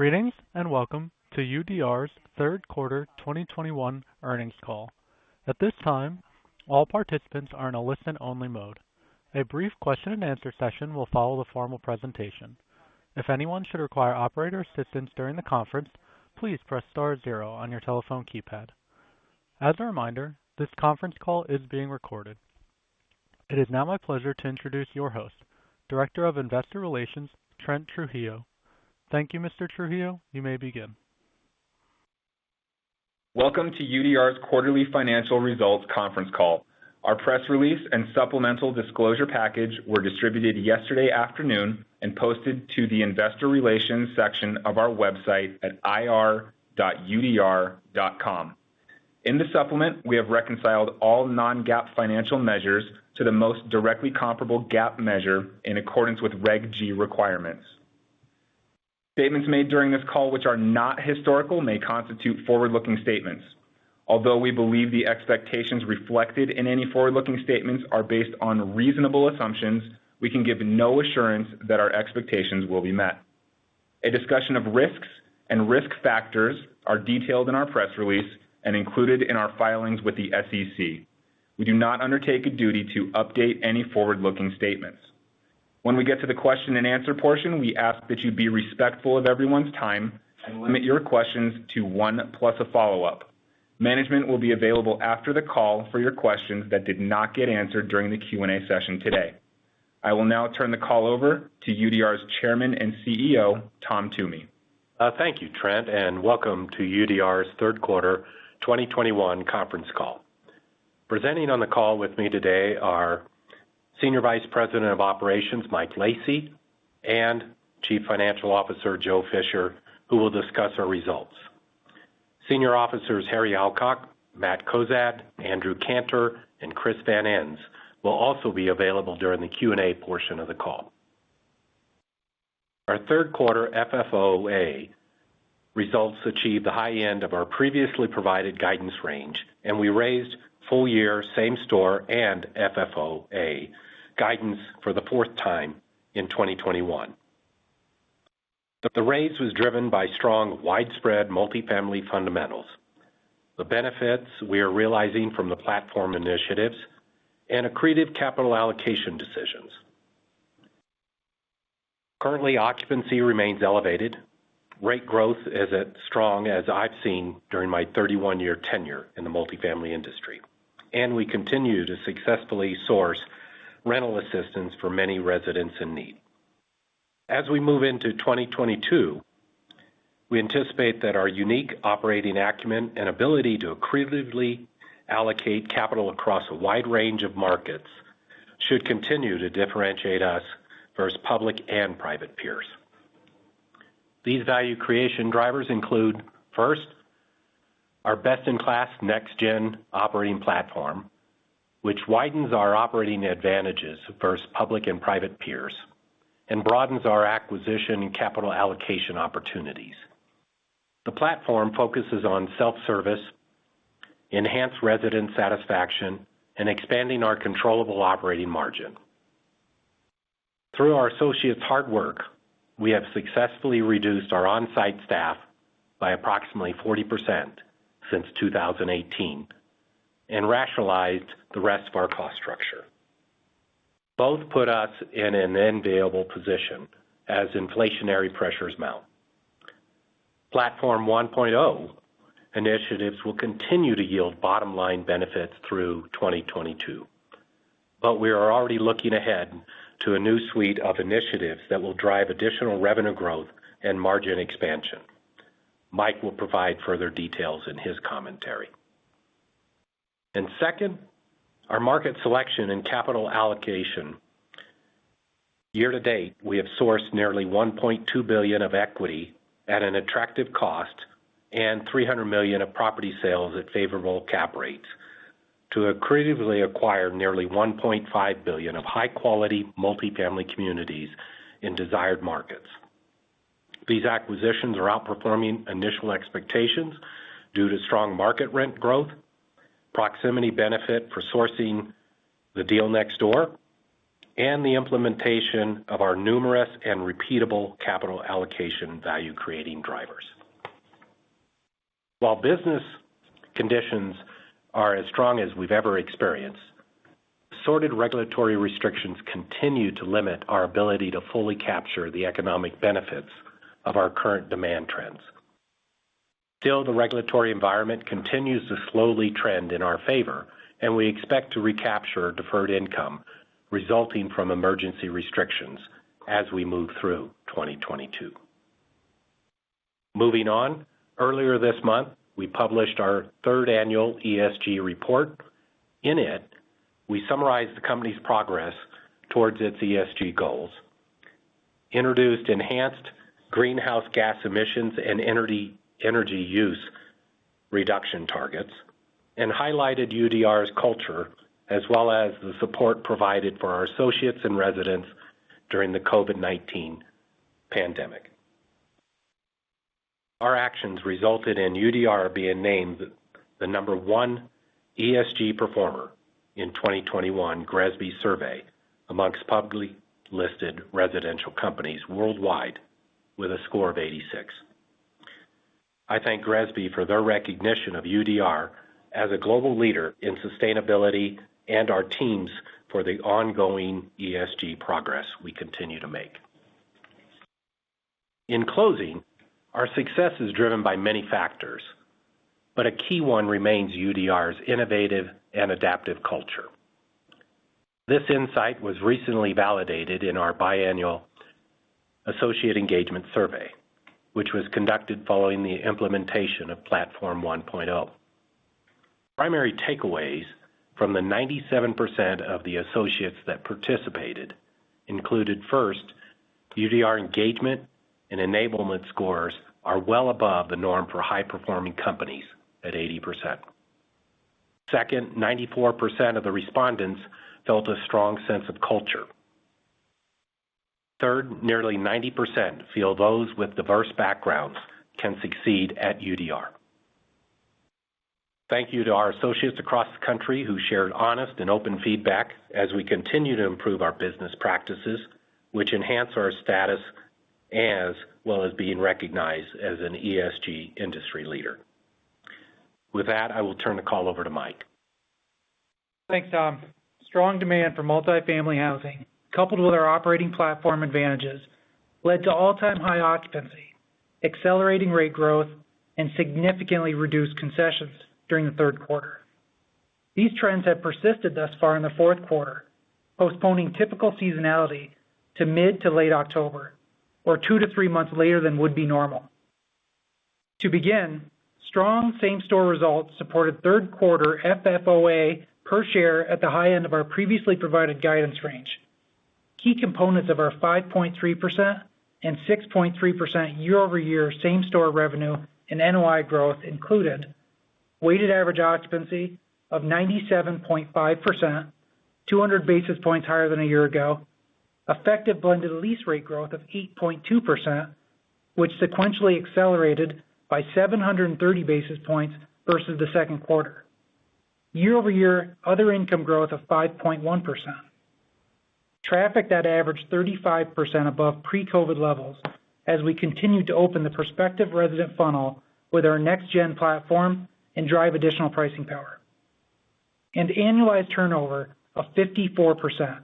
Greetings, and welcome to UDR's third quarter 2021 earnings call. At this time, all participants are in a listen-only mode. A brief question and answer session will follow the formal presentation. If anyone should require operator assistance during the conference, please press star zero on your telephone keypad. As a reminder, this conference call is being recorded. It is now my pleasure to introduce your host, Director of Investor Relations, Trent Trujillo. Thank you, Mr. Trujillo. You may begin. Welcome to UDR's quarterly financial results conference call. Our press release and supplemental disclosure package were distributed yesterday afternoon and posted to the investor relations section of our website at ir.udr.com. In the supplement, we have reconciled all non-GAAP financial measures to the most directly comparable GAAP measure in accordance with Reg G requirements. Statements made during this call which are not historical may constitute forward-looking statements. Although we believe the expectations reflected in any forward-looking statements are based on reasonable assumptions, we can give no assurance that our expectations will be met. A discussion of risks and risk factors are detailed in our press release and included in our filings with the SEC. We do not undertake a duty to update any forward-looking statements. When we get to the question and answer portion, we ask that you be respectful of everyone's time and limit your questions to one plus a follow-up. Management will be available after the call for your questions that did not get answered during the Q&A session today. I will now turn the call over to UDR's Chairman and CEO, Tom Toomey. Thank you, Trent, and welcome to UDR's third quarter 2021 conference call. Presenting on the call with me today are Senior Vice President of Operations, Mike Lacy, and Chief Financial Officer, Joe Fisher, who will discuss our results. Senior Officers Harry Alcock, Matt Cozad, Andrew Cantor, and Chris Van Ens will also be available during the Q&A portion of the call. Our third quarter FFOA results achieved the high end of our previously provided guidance range, and we raised full year same-store and FFOA guidance for the fourth time in 2021. The raise was driven by strong widespread multifamily fundamentals, the benefits we are realizing from the platform initiatives and accretive capital allocation decisions. Currently, occupancy remains elevated. Rate growth is as strong as I've seen during my 31-year tenure in the multifamily industry, and we continue to successfully source rental assistance for many residents in need. As we move into 2022, we anticipate that our unique operating acumen and ability to accretively allocate capital across a wide range of markets should continue to differentiate us versus public and private peers. These value creation drivers include, first, our best-in-class Next Gen Operating Platform, which widens our operating advantages versus public and private peers and broadens our acquisition and capital allocation opportunities. The platform focuses on self-service, enhanced resident satisfaction, and expanding our controllable operating margin. Through our associates' hard work, we have successfully reduced our on-site staff by approximately 40% since 2018 and rationalized the rest of our cost structure. Both put us in an enviable position as inflationary pressures mount. Platform 1.0 initiatives will continue to yield bottom-line benefits through 2022, but we are already looking ahead to a new suite of initiatives that will drive additional revenue growth and margin expansion. Mike will provide further details in his commentary. Second, our market selection and capital allocation. Year to date, we have sourced nearly $1.2 billion of equity at an attractive cost and $300 million of property sales at favorable cap rates to accretively acquire nearly $1.5 billion of high-quality multifamily communities in desired markets. These acquisitions are outperforming initial expectations due to strong market rent growth, proximity benefit for sourcing the deal next door, and the implementation of our numerous and repeatable capital allocation value-creating drivers. While business conditions are as strong as we've ever experienced, stifling regulatory restrictions continue to limit our ability to fully capture the economic benefits of our current demand trends. Still, the regulatory environment continues to slowly trend in our favor, and we expect to recapture deferred income resulting from emergency restrictions as we move through 2022. Moving on, earlier this month, we published our third annual ESG report. In it, we summarized the company's progress towards its ESG goals, introduced enhanced greenhouse gas emissions and energy use reduction targets, and highlighted UDR's culture as well as the support provided for our associates and residents during the COVID-19 pandemic. Our actions resulted in UDR being named the number one ESG performer in 2021 GRESB survey among publicly listed residential companies worldwide with a score of 86. I thank GRESB for their recognition of UDR as a global leader in sustainability and our teams for the ongoing ESG progress we continue to make. In closing, our success is driven by many factors, but a key one remains UDR's innovative and adaptive culture. This insight was recently validated in our biannual associate engagement survey, which was conducted following the implementation of Platform 1.0. Primary takeaways from the 97% of the associates that participated included first, UDR engagement and enablement scores are well above the norm for high-performing companies at 80%. Second, 94% of the respondents felt a strong sense of culture. Third, nearly 90% feel those with diverse backgrounds can succeed at UDR. Thank you to our associates across the country who shared honest and open feedback as we continue to improve our business practices, which enhance our status as well as being recognized as an ESG industry leader. With that, I will turn the call over to Mike. Thanks, Tom. Strong demand for multi-family housing, coupled with our operating platform advantages, led to all-time high occupancy, accelerating rate growth, and significantly reduced concessions during the third quarter. These trends have persisted thus far in the fourth quarter, postponing typical seasonality to mid to late October or two to three months later than would be normal. To begin, strong same-store results supported third quarter FFOA per share at the high end of our previously provided guidance range. Key components of our 5.3% and 6.3% year-over-year same-store revenue and NOI growth included weighted average occupancy of 97.5%, 200 basis points higher than a year ago. Effective blended lease rate growth of 8.2%, which sequentially accelerated by 730 basis points versus the second quarter. Year-over-year other income growth of 5.1%. Traffic that averaged 35% above pre-COVID levels as we continued to open the prospective resident funnel with our next gen platform and drive additional pricing power. Annualized turnover of 54%,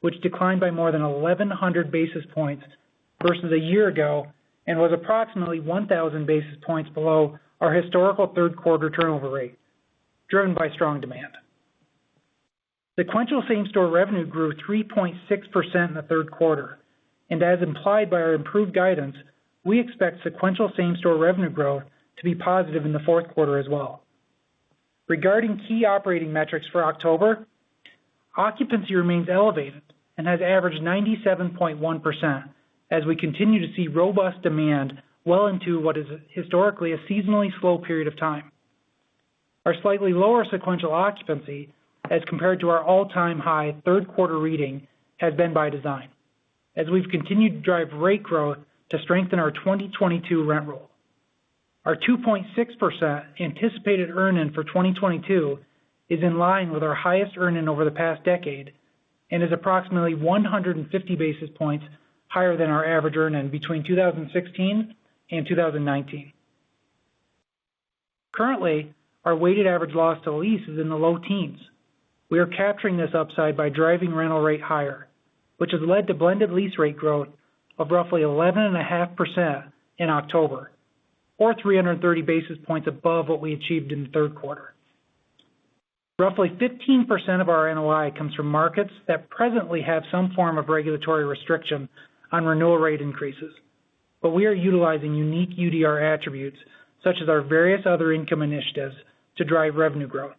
which declined by more than 1,100 basis points versus a year ago, and was approximately 1,000 basis points below our historical third quarter turnover rate driven by strong demand. Sequential same-store revenue grew 3.6% in the third quarter, and as implied by our improved guidance, we expect sequential same-store revenue growth to be positive in the fourth quarter as well. Regarding key operating metrics for October, occupancy remains elevated and has averaged 97.1% as we continue to see robust demand well into what is historically a seasonally slow period of time. Our slightly lower sequential occupancy as compared to our all-time high third quarter reading has been by design as we've continued to drive rate growth to strengthen our 2022 rent roll. Our 2.6% anticipated earn-in for 2022 is in line with our highest earn-in over the past decade and is approximately 150 basis points higher than our average earn-in between 2016 and 2019. Currently, our weighted average loss to lease is in the low teens. We are capturing this upside by driving rental rate higher, which has led to blended lease rate growth of roughly 11.5% in October or 330 basis points above what we achieved in the third quarter. Roughly 15% of our NOI comes from markets that presently have some form of regulatory restriction on renewal rate increases. We are utilizing unique UDR attributes such as our various other income initiatives to drive revenue growth.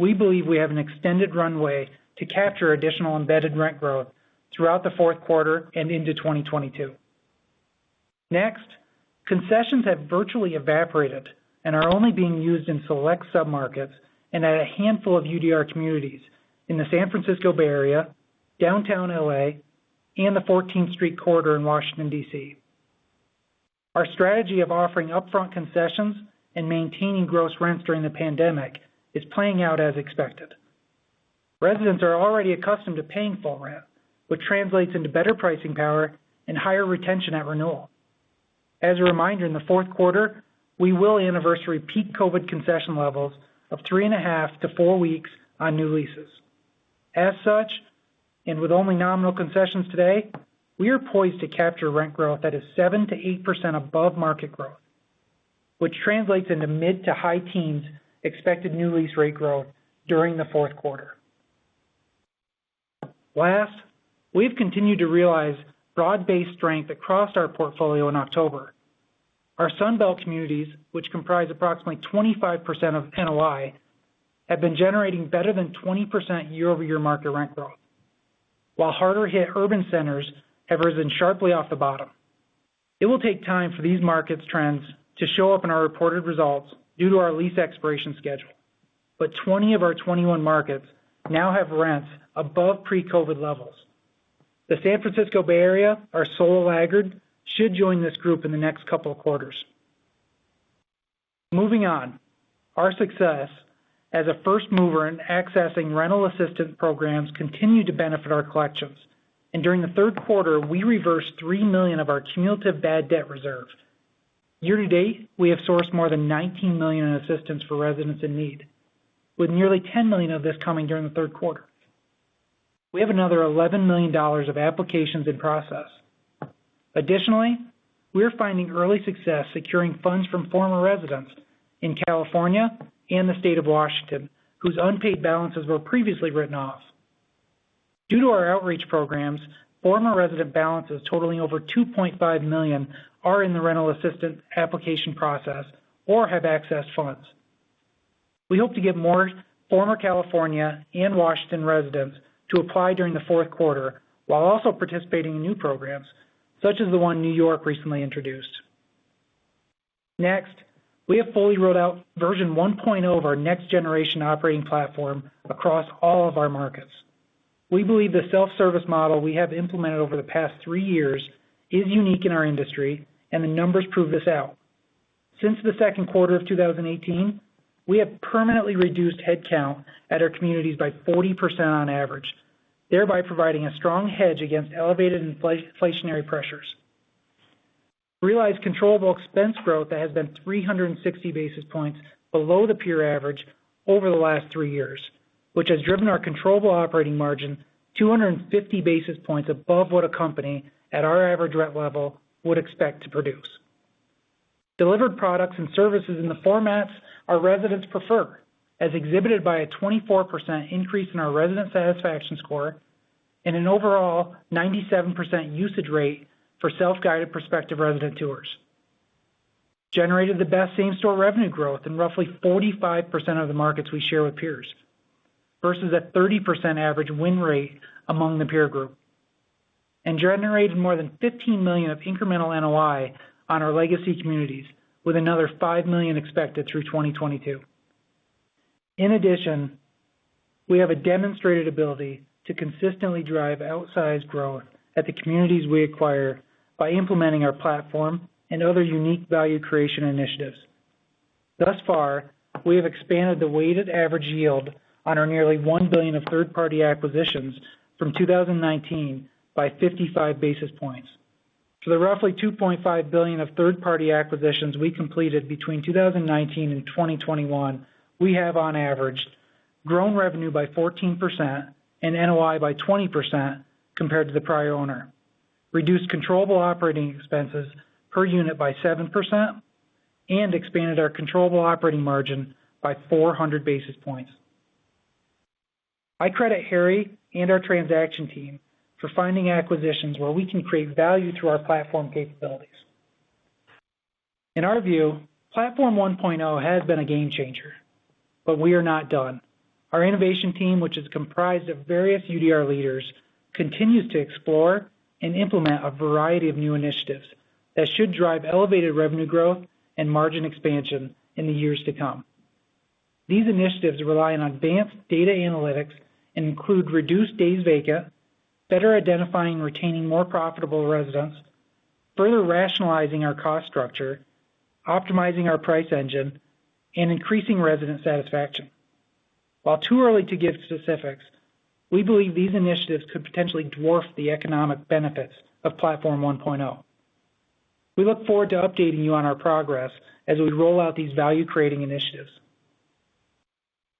We believe we have an extended runway to capture additional embedded rent growth throughout the fourth quarter and into 2022. Next, concessions have virtually evaporated and are only being used in select submarkets and at a handful of UDR communities in the San Francisco Bay Area, Downtown L.A., and the 14th Street corridor in Washington, D.C. Our strategy of offering upfront concessions and maintaining gross rents during the pandemic is playing out as expected. Residents are already accustomed to paying full rent, which translates into better pricing power and higher retention at renewal. As a reminder, in the fourth quarter, we will anniversary peak COVID concession levels of three and a half to four weeks on new leases. As such, and with only nominal concessions today, we are poised to capture rent growth that is 7%-8% above market growth, which translates into mid- to high-teens expected new lease rate growth during the fourth quarter. Last, we've continued to realize broad-based strength across our portfolio in October. Our Sun Belt communities, which comprise approximately 25% of NOI, have been generating better than 20% year-over-year market rent growth, while harder hit urban centers have risen sharply off the bottom. It will take time for these market trends to show up in our reported results due to our lease expiration schedule. 20 of our 21 markets now have rents above pre-COVID levels. The San Francisco Bay Area, our sole laggard, should join this group in the next couple of quarters. Moving on, our success as a first mover in accessing rental assistance programs continue to benefit our collections. During the third quarter, we reversed $3 million of our cumulative bad debt reserves. Year-to-date, we have sourced more than $19 million in assistance for residents in need, with nearly $10 million of this coming during the third quarter. We have another $11 million of applications in process. Additionally, we are finding early success securing funds from former residents in California and the state of Washington, whose unpaid balances were previously written off. Due to our outreach programs, former resident balances totaling over $2.5 million are in the rental assistance application process or have accessed funds. We hope to get more former California and Washington residents to apply during the fourth quarter while also participating in new programs such as the one New York recently introduced. Next, we have fully rolled out version 1.0 of our Next Generation Operating Platform across all of our markets. We believe the self-service model we have implemented over the past three years is unique in our industry, and the numbers prove this out. Since the second quarter of 2018, we have permanently reduced headcount at our communities by 40% on average, thereby providing a strong hedge against elevated inflationary pressures. Realized controllable expense growth that has been 360 basis points below the peer average over the last three years, which has driven our controllable operating margin 250 basis points above what a company at our average rent level would expect to produce. Delivered products and services in the formats our residents prefer, as exhibited by a 24% increase in our resident satisfaction score and an overall 97% usage rate for self-guided prospective resident tours. Generated the best same-store revenue growth in roughly 45% of the markets we share with peers versus a 30% average win rate among the peer group. Generated more than $15 million of incremental NOI on our legacy communities, with another $5 million expected through 2022. In addition, we have a demonstrated ability to consistently drive outsized growth at the communities we acquire by implementing our platform and other unique value creation initiatives. Thus far, we have expanded the weighted average yield on our nearly $1 billion of third-party acquisitions from 2019 by 55 basis points. To the roughly $2.5 billion of third-party acquisitions we completed between 2019 and 2021, we have on average grown revenue by 14% and NOI by 20% compared to the prior owner, reduced controllable operating expenses per unit by 7% and expanded our controllable operating margin by 400 basis points. I credit Harry and our transaction team for finding acquisitions where we can create value through our platform capabilities. In our view, Platform 1.0 has been a game changer, but we are not done. Our innovation team, which is comprised of various UDR leaders, continues to explore and implement a variety of new initiatives that should drive elevated revenue growth and margin expansion in the years to come. These initiatives rely on advanced data analytics and include reduced days vacant, better identifying and retaining more profitable residents, further rationalizing our cost structure, optimizing our price engine, and increasing resident satisfaction. While too early to give specifics, we believe these initiatives could potentially dwarf the economic benefits of Platform 1.0. We look forward to updating you on our progress as we roll out these value-creating initiatives.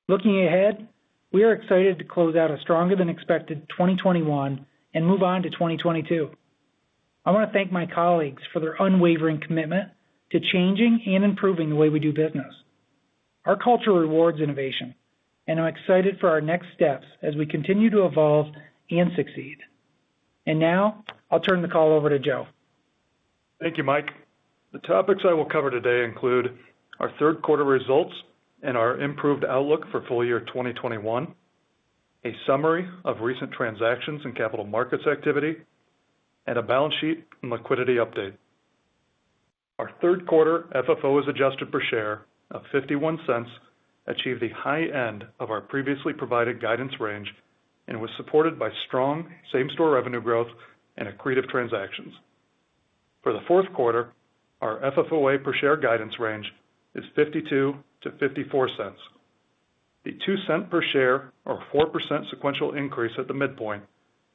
Looking ahead, we are excited to close out a stronger than expected 2021 and move on to 2022. I want to thank my colleagues for their unwavering commitment to changing and improving the way we do business. Our culture rewards innovation, and I'm excited for our next steps as we continue to evolve and succeed. Now I'll turn the call over to Joe. Thank you, Mike. The topics I will cover today include our third quarter results and our improved outlook for full year 2021, a summary of recent transactions and capital markets activity, and a balance sheet and liquidity update. Our third quarter FFO as adjusted per share of $0.51 achieved the high end of our previously provided guidance range and was supported by strong same-store revenue growth and accretive transactions. For the fourth quarter, our FFOA per share guidance range is $0.52-$0.54. The $0.02 per share or 4% sequential increase at the midpoint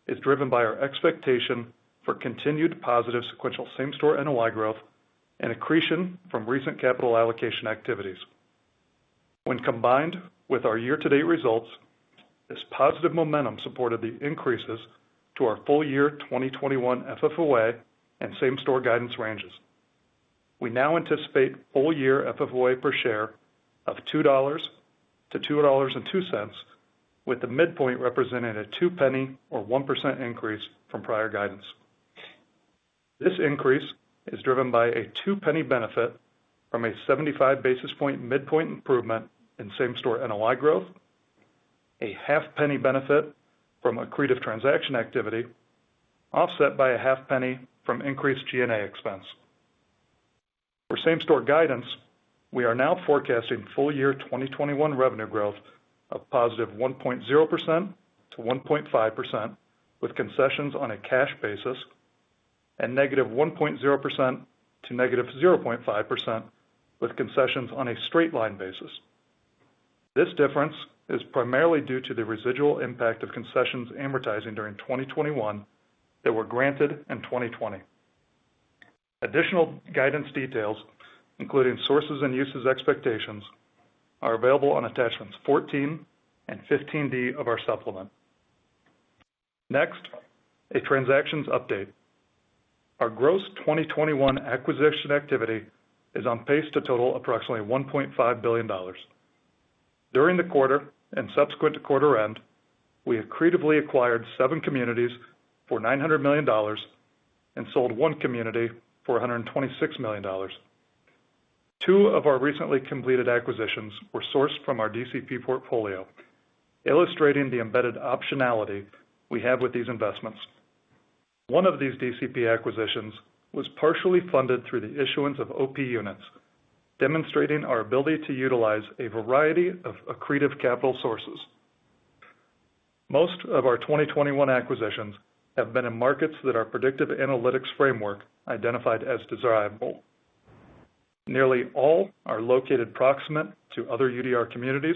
is driven by our expectation for continued positive sequential same-store NOI growth and accretion from recent capital allocation activities. When combined with our year-to-date results, this positive momentum supported the increases to our full year 2021 FFOA and same-store guidance ranges. We now anticipate full year FFOA per share of $2.00-$2.02, with the midpoint representing a two penny or 1% increase from prior guidance. This increase is driven by a two penny benefit from a 75 basis point midpoint improvement in same-store NOI growth, a half penny benefit from accretive transaction activity, offset by a half penny from increased G&A expense. For same-store guidance, we are now forecasting full year 2021 revenue growth of +1.0%-1.5% with concessions on a cash basis, and -1.0% to -0.5% with concessions on a straight line basis. This difference is primarily due to the residual impact of concessions amortizing during 2021 that were granted in 2020. Additional guidance details, including sources and uses expectations, are available on attachments 14 and 15D of our supplement. Next, a transactions update. Our gross 2021 acquisition activity is on pace to total approximately $1.5 billion. During the quarter and subsequent to quarter end, we accretively acquired seven communities for $900 million and sold one community for $126 million. Two of our recently completed acquisitions were sourced from our DCP portfolio, illustrating the embedded optionality we have with these investments. One of these DCP acquisitions was partially funded through the issuance of OP units, demonstrating our ability to utilize a variety of accretive capital sources. Most of our 2021 acquisitions have been in markets that our predictive analytics framework identified as desirable. Nearly all are located proximate to other UDR communities.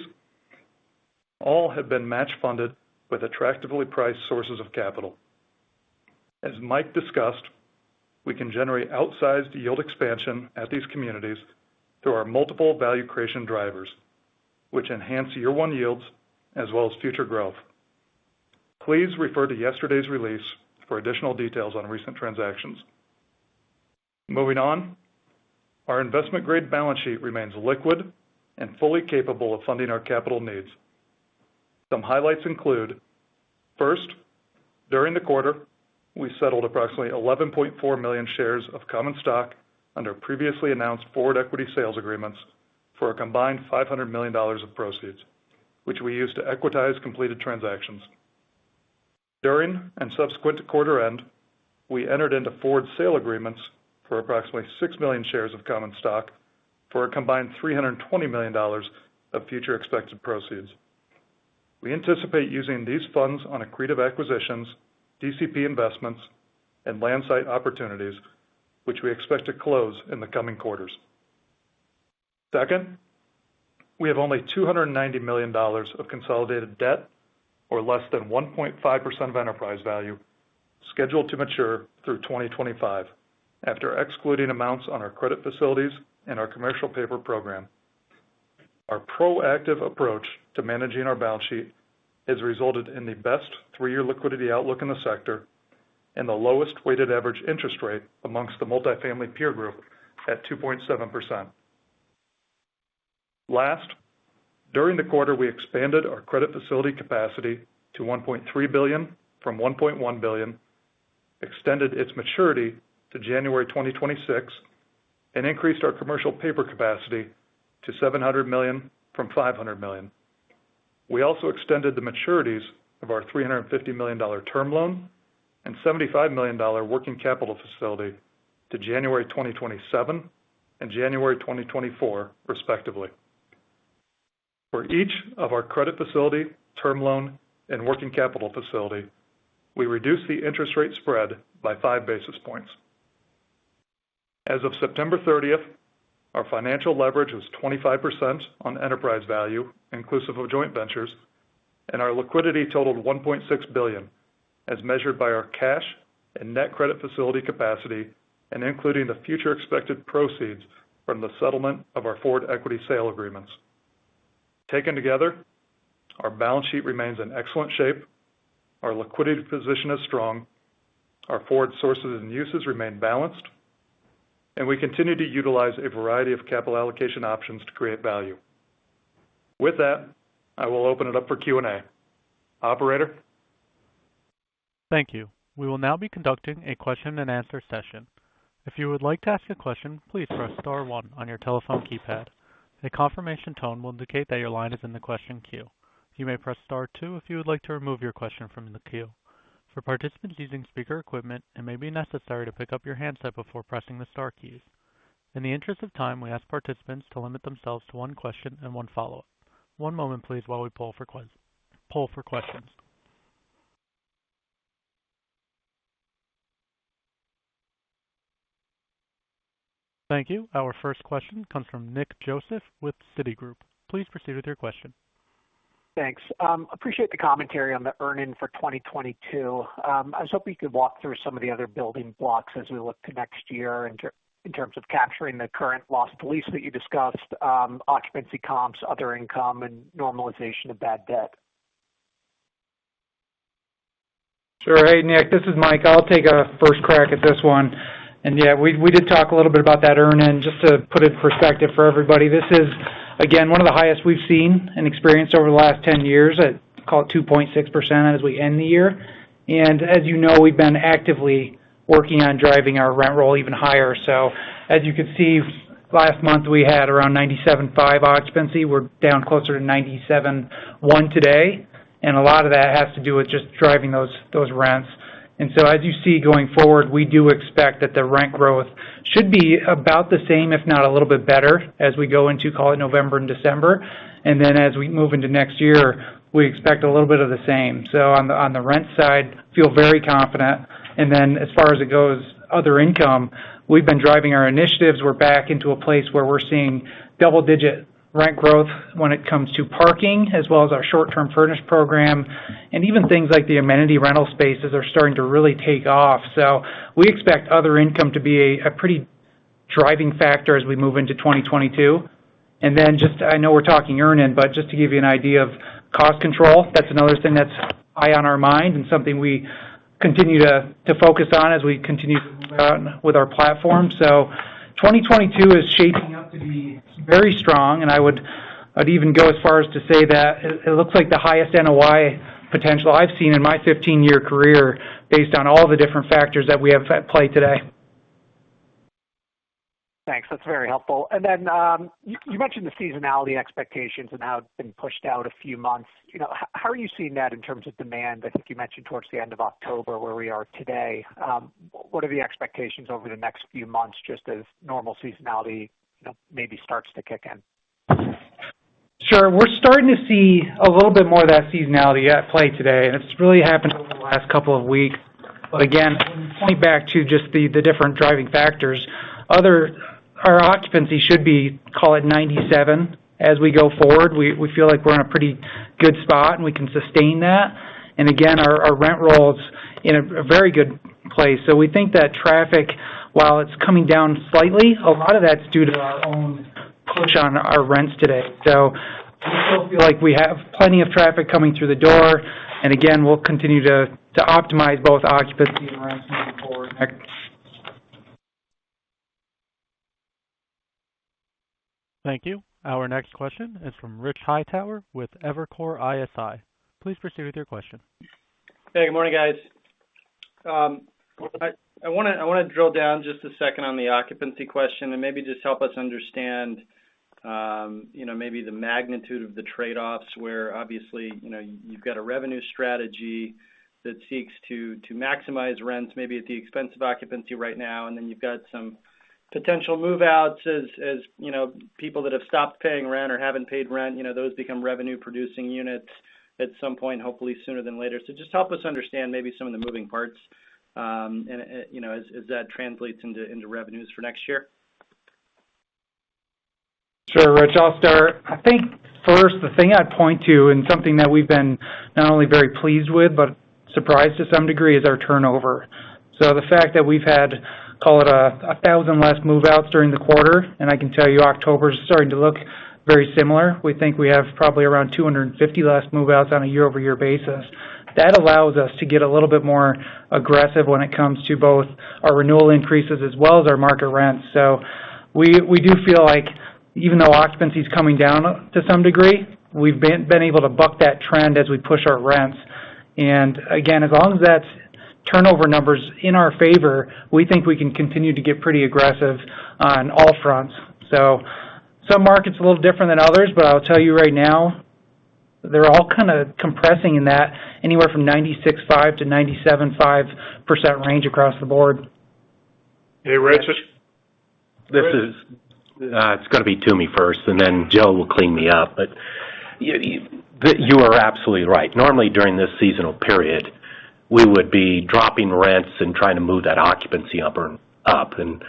All have been match funded with attractively priced sources of capital. As Mike discussed, we can generate outsized yield expansion at these communities through our multiple value creation drivers, which enhance year one yields as well as future growth. Please refer to yesterday's release for additional details on recent transactions. Moving on. Our investment grade balance sheet remains liquid and fully capable of funding our capital needs. Some highlights include. First, during the quarter, we settled approximately 11.4 million shares of common stock under previously announced forward equity sales agreements for a combined $500 million of proceeds, which we used to equitize completed transactions. During and subsequent to quarter end, we entered into forward sale agreements for approximately 6 million shares of common stock for a combined $320 million of future expected proceeds. We anticipate using these funds on accretive acquisitions, DCP investments, and land site opportunities, which we expect to close in the coming quarters. Second, we have only $290 million of consolidated debt or less than 1.5% of enterprise value scheduled to mature through 2025 after excluding amounts on our credit facilities and our commercial paper program. Our proactive approach to managing our balance sheet has resulted in the best three-year liquidity outlook in the sector and the lowest weighted average interest rate amongst the multifamily peer group at 2.7%. Last, during the quarter, we expanded our credit facility capacity to $1.3 billion from $1.1 billion, extended its maturity to January 2026, and increased our commercial paper capacity to $700 million from $500 million. We also extended the maturities of our $350 million term loan and $75 million working capital facility to January 2027 and January 2024, respectively. For each of our credit facility, term loan, and working capital facility, we reduced the interest rate spread by 5 basis points. As of September 30th, our financial leverage was 25% on enterprise value inclusive of joint ventures, and our liquidity totaled $1.6 billion as measured by our cash and net credit facility capacity and including the future expected proceeds from the settlement of our forward equity sale agreements. Taken together, our balance sheet remains in excellent shape, our liquidity position is strong, our forward sources and uses remain balanced, and we continue to utilize a variety of capital allocation options to create value. With that, I will open it up for Q&A. Operator. Thank you. We will now be conducting a question and answer session. If you would like to ask a question, please press star one on your telephone keypad. A confirmation tone will indicate that your line is in the question queue. You may press star two if you would like to remove your question from the queue. For participants using speaker equipment, it may be necessary to pick up your handset before pressing the star keys. In the interest of time, we ask participants to limit themselves to one question and one follow-up. One moment, please, while we poll for questions. Thank you. Our first question comes from Nick Joseph with Citigroup. Please proceed with your question. Thanks. Appreciate the commentary on the earn-in for 2022. I was hoping you could walk through some of the other building blocks as we look to next year in terms of capturing the current loss to lease that you discussed, occupancy comps, other income, and normalization of bad debt. Sure. Hey, Nick, this is Mike. I'll take a first crack at this one. Yeah, we did talk a little bit about that earn-in just to put it in perspective for everybody. This is, again, one of the highest we've seen and experienced over the last 10 years at call it 2.6% as we end the year. As you know, we've been actively working on driving our rent roll even higher. As you can see, last month we had around 97.5% occupancy. We're down closer to 97.1% today. A lot of that has to do with just driving those rents. As you see going forward, we do expect that the rent growth should be about the same, if not a little bit better, as we go into, call it, November and December. As we move into next year, we expect a little bit of the same. On the rent side, feel very confident. As far as it goes, other income, we've been driving our initiatives. We're back into a place where we're seeing double-digit rent growth when it comes to parking, as well as our short-term furnish program, and even things like the amenity rental spaces are starting to really take off. We expect other income to be a pretty driving factor as we move into 2022. I know we're talking earnings, but just to give you an idea of cost control, that's another thing that's high on our mind and something we continue to focus on as we continue to move on with our platform. 2022 is shaping up to be very strong, and I'd even go as far as to say that it looks like the highest NOI potential I've seen in my 15-year career based on all the different factors that we have at play today. Thanks. That's very helpful. You mentioned the seasonality expectations and how it's been pushed out a few months. How are you seeing that in terms of demand? I think you mentioned towards the end of October, where we are today. What are the expectations over the next few months just as normal seasonality maybe starts to kick in? Sure. We're starting to see a little bit more of that seasonality at play today, and it's really happened over the last couple of weeks. Again, I would point back to just the different driving factors. Our occupancy should be, call it, 97% as we go forward. We feel like we're in a pretty good spot, and we can sustain that. Again, our rent roll is in a very good place. We think that traffic, while it's coming down slightly, a lot of that's due to our own push on our rents today. We still feel like we have plenty of traffic coming through the door. Again, we'll continue to optimize both occupancy and rents moving forward. Thank you. Our next question is from Rich Hightower with Evercore ISI. Please proceed with your question. Hey, good morning, guys. I wanna drill down just a second on the occupancy question and maybe just help us understand, you know, maybe the magnitude of the trade-offs where obviously, you know, you've got a revenue strategy that seeks to maximize rents maybe at the expense of occupancy right now, and then you've got some potential move-outs as, you know, people that have stopped paying rent or haven't paid rent, you know, those become revenue-producing units at some point, hopefully sooner than later. Just help us understand maybe some of the moving parts, and, you know, as that translates into revenues for next year. Sure, Rich. I'll start. I think first, the thing I'd point to, and something that we've been not only very pleased with, but surprised to some degree, is our turnover. The fact that we've had, call it, 1,000 less move-outs during the quarter, and I can tell you, October is starting to look very similar. We think we have probably around 250 less move-outs on a year-over-year basis. That allows us to get a little bit more aggressive when it comes to both our renewal increases as well as our market rents. We do feel like even though occupancy is coming down to some degree, we've been able to buck that trend as we push our rents. Again, as long as that turnover number's in our favor, we think we can continue to get pretty aggressive on all fronts. Some markets a little different than others, but I'll tell you right now, they're all kind of compressing in that anywhere from 96.5%-97.5% range across the board. Hey, Rich, this is it's gonna be Toomey first, and then Joe will clean me up. You are absolutely right. Normally during this seasonal period, we would be dropping rents and trying to move that occupancy number up and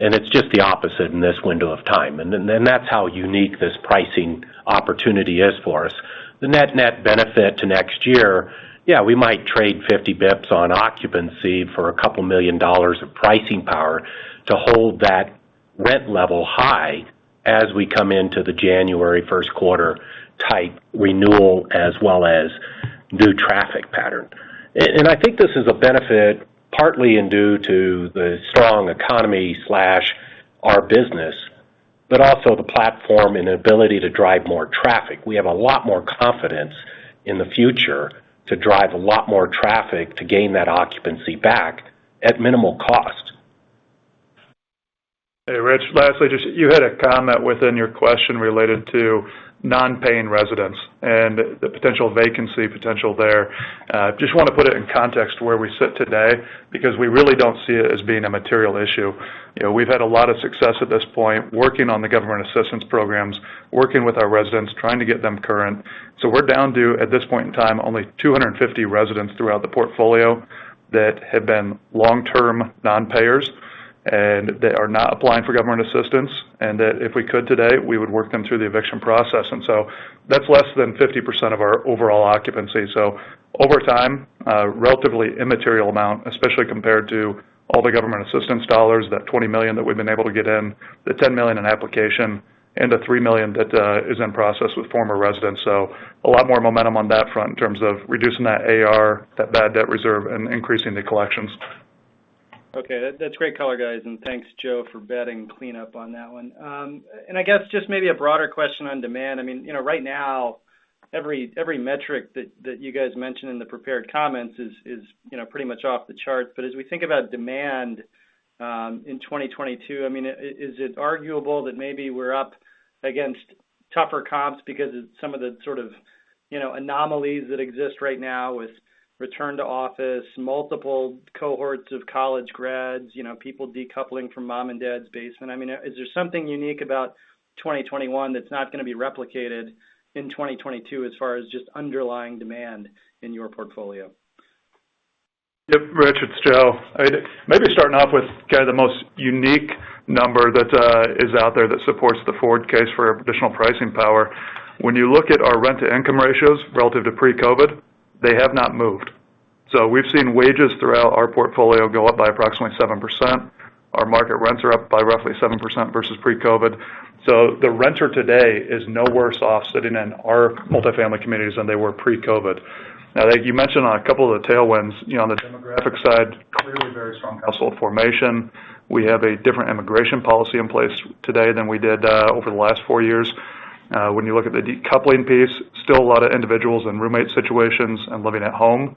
it's just the opposite in this window of time. That's how unique this pricing opportunity is for us. The net-net benefit to next year, yeah, we might trade 50 basis points on occupancy for a couple million dollars of pricing power to hold that rent level high as we come into the January first quarter type renewal as well as new traffic pattern. I think this is a benefit partly due to the strong economy slash our business, but also the platform and ability to drive more traffic. We have a lot more confidence in the future to drive a lot more traffic to gain that occupancy back at minimal cost. Hey, Rich. Lastly, just you had a comment within your question related to non-paying residents and the potential vacancy potential there. Just wanna put it in context where we sit today because we really don't see it as being a material issue. You know, we've had a lot of success at this point working on the government assistance programs, working with our residents, trying to get them current. So we're down to, at this point in time, only 250 residents throughout the portfolio that have been long-term non-payers, and they are not applying for government assistance, and that if we could today, we would work them through the eviction process. That's less than 50% of our overall occupancy. Over time, a relatively immaterial amount, especially compared to all the government assistance dollars, that $20 million that we've been able to get in, the $10 million in application, and the $3 million that is in process with former residents. A lot more momentum on that front in terms of reducing that AR, that bad debt reserve, and increasing the collections. Okay. That's great color, guys. Thanks, Joe, for batting cleanup on that one. I guess just maybe a broader question on demand. I mean, you know, right now, every metric that you guys mentioned in the prepared comments is, you know, pretty much off the charts, but as we think about demand in 2022, I mean, is it arguable that maybe we're up against- ...tougher comps because of some of the sort of, you know, anomalies that exist right now with return to office, multiple cohorts of college grads, you know, people decoupling from mom and dad's basement. I mean, is there something unique about 2021 that's not gonna be replicated in 2022 as far as just underlying demand in your portfolio? Yep. Rich, it's Joe. Maybe starting off with kind of the most unique number that is out there that supports the forward case for additional pricing power. When you look at our rent-to-income ratios relative to pre-COVID, they have not moved. We've seen wages throughout our portfolio go up by approximately 7%. Our market rents are up by roughly 7% versus pre-COVID. The renter today is no worse off sitting in our multifamily communities than they were pre-COVID. Now, you mentioned on a couple of the tailwinds, you know, on the demographic side, clearly very strong household formation. We have a different immigration policy in place today than we did over the last four years. When you look at the decoupling piece, still a lot of individuals in roommate situations and living at home.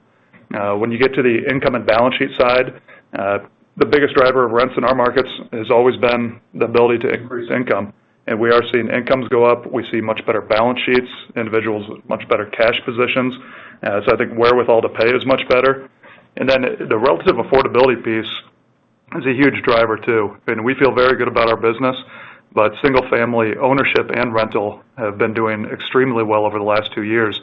When you get to the income and balance sheet side, the biggest driver of rents in our markets has always been the ability to increase income, and we are seeing incomes go up. We see much better balance sheets, individuals with much better cash positions as I think wherewithal to pay is much better. The relative affordability piece is a huge driver, too. We feel very good about our business, but single-family ownership and rental have been doing extremely well over the last two years.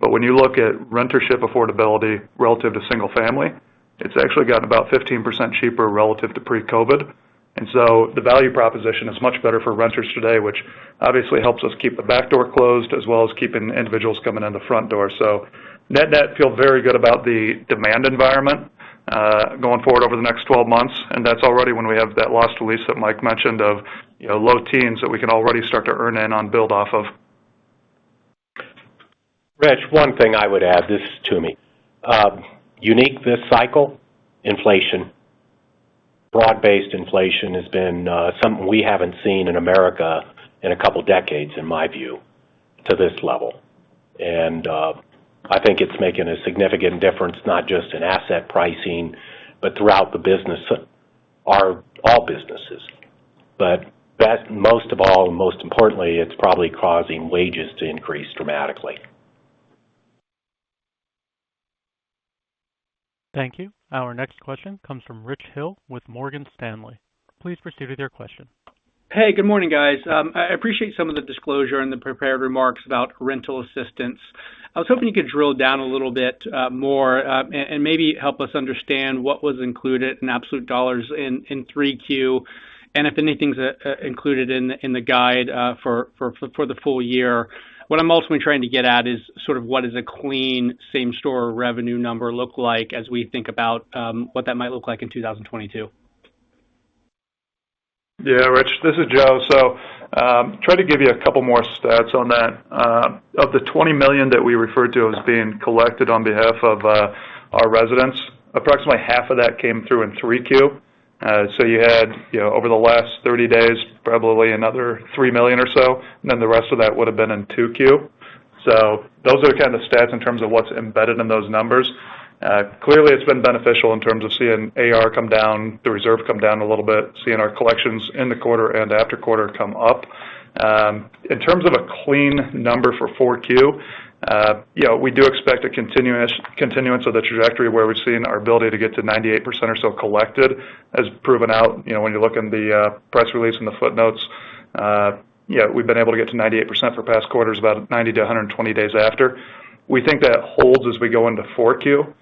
When you look at rentership affordability relative to single family, it's actually gotten about 15% cheaper relative to pre-COVID. The value proposition is much better for renters today, which obviously helps us keep the back door closed as well as keeping individuals coming in the front door. Net-net, we feel very good about the demand environment, going forward over the next 12 months, and that's already when we have that loss to lease that Mike mentioned of, you know, low teens that we can already start to earn in on build off of. Rich, one thing I would add, this is Toomey. Unique to this cycle, inflation. Broad-based inflation has been something we haven't seen in America in a couple decades, in my view, to this level. I think it's making a significant difference, not just in asset pricing, but throughout the business, all businesses. Most of all, and most importantly, it's probably causing wages to increase dramatically. Thank you. Our next question comes from Rich Hill with Morgan Stanley. Please proceed with your question. Hey, good morning, guys. I appreciate some of the disclosure and the prepared remarks about rental assistance. I was hoping you could drill down a little bit more, and maybe help us understand what was included in absolute dollars in Q3, and if anything's included in the guide for the full year. What I'm ultimately trying to get at is sort of what a clean same-store revenue number looks like as we think about what that might look like in 2022. Yeah, Rich, this is Joe. Try to give you a couple more stats on that. Of the $20 million that we referred to as being collected on behalf of our residents, approximately half of that came through in 3Q. You had, you know, over the last 30 days, probably another $3 million or so, and then the rest of that would have been in 2Q. Those are kind of the stats in terms of what's embedded in those numbers. Clearly it's been beneficial in terms of seeing AR come down, the reserve come down a little bit, seeing our collections in the quarter and after quarter come up. In terms of a clean number for 4Q, you know, we do expect a continuance of the trajectory where we've seen our ability to get to 98% or so collected as proven out. You know, when you look in the press release and the footnotes, yeah, we've been able to get to 98% for past quarters about 90 to 120 days after. We think that holds as we go into 4Q.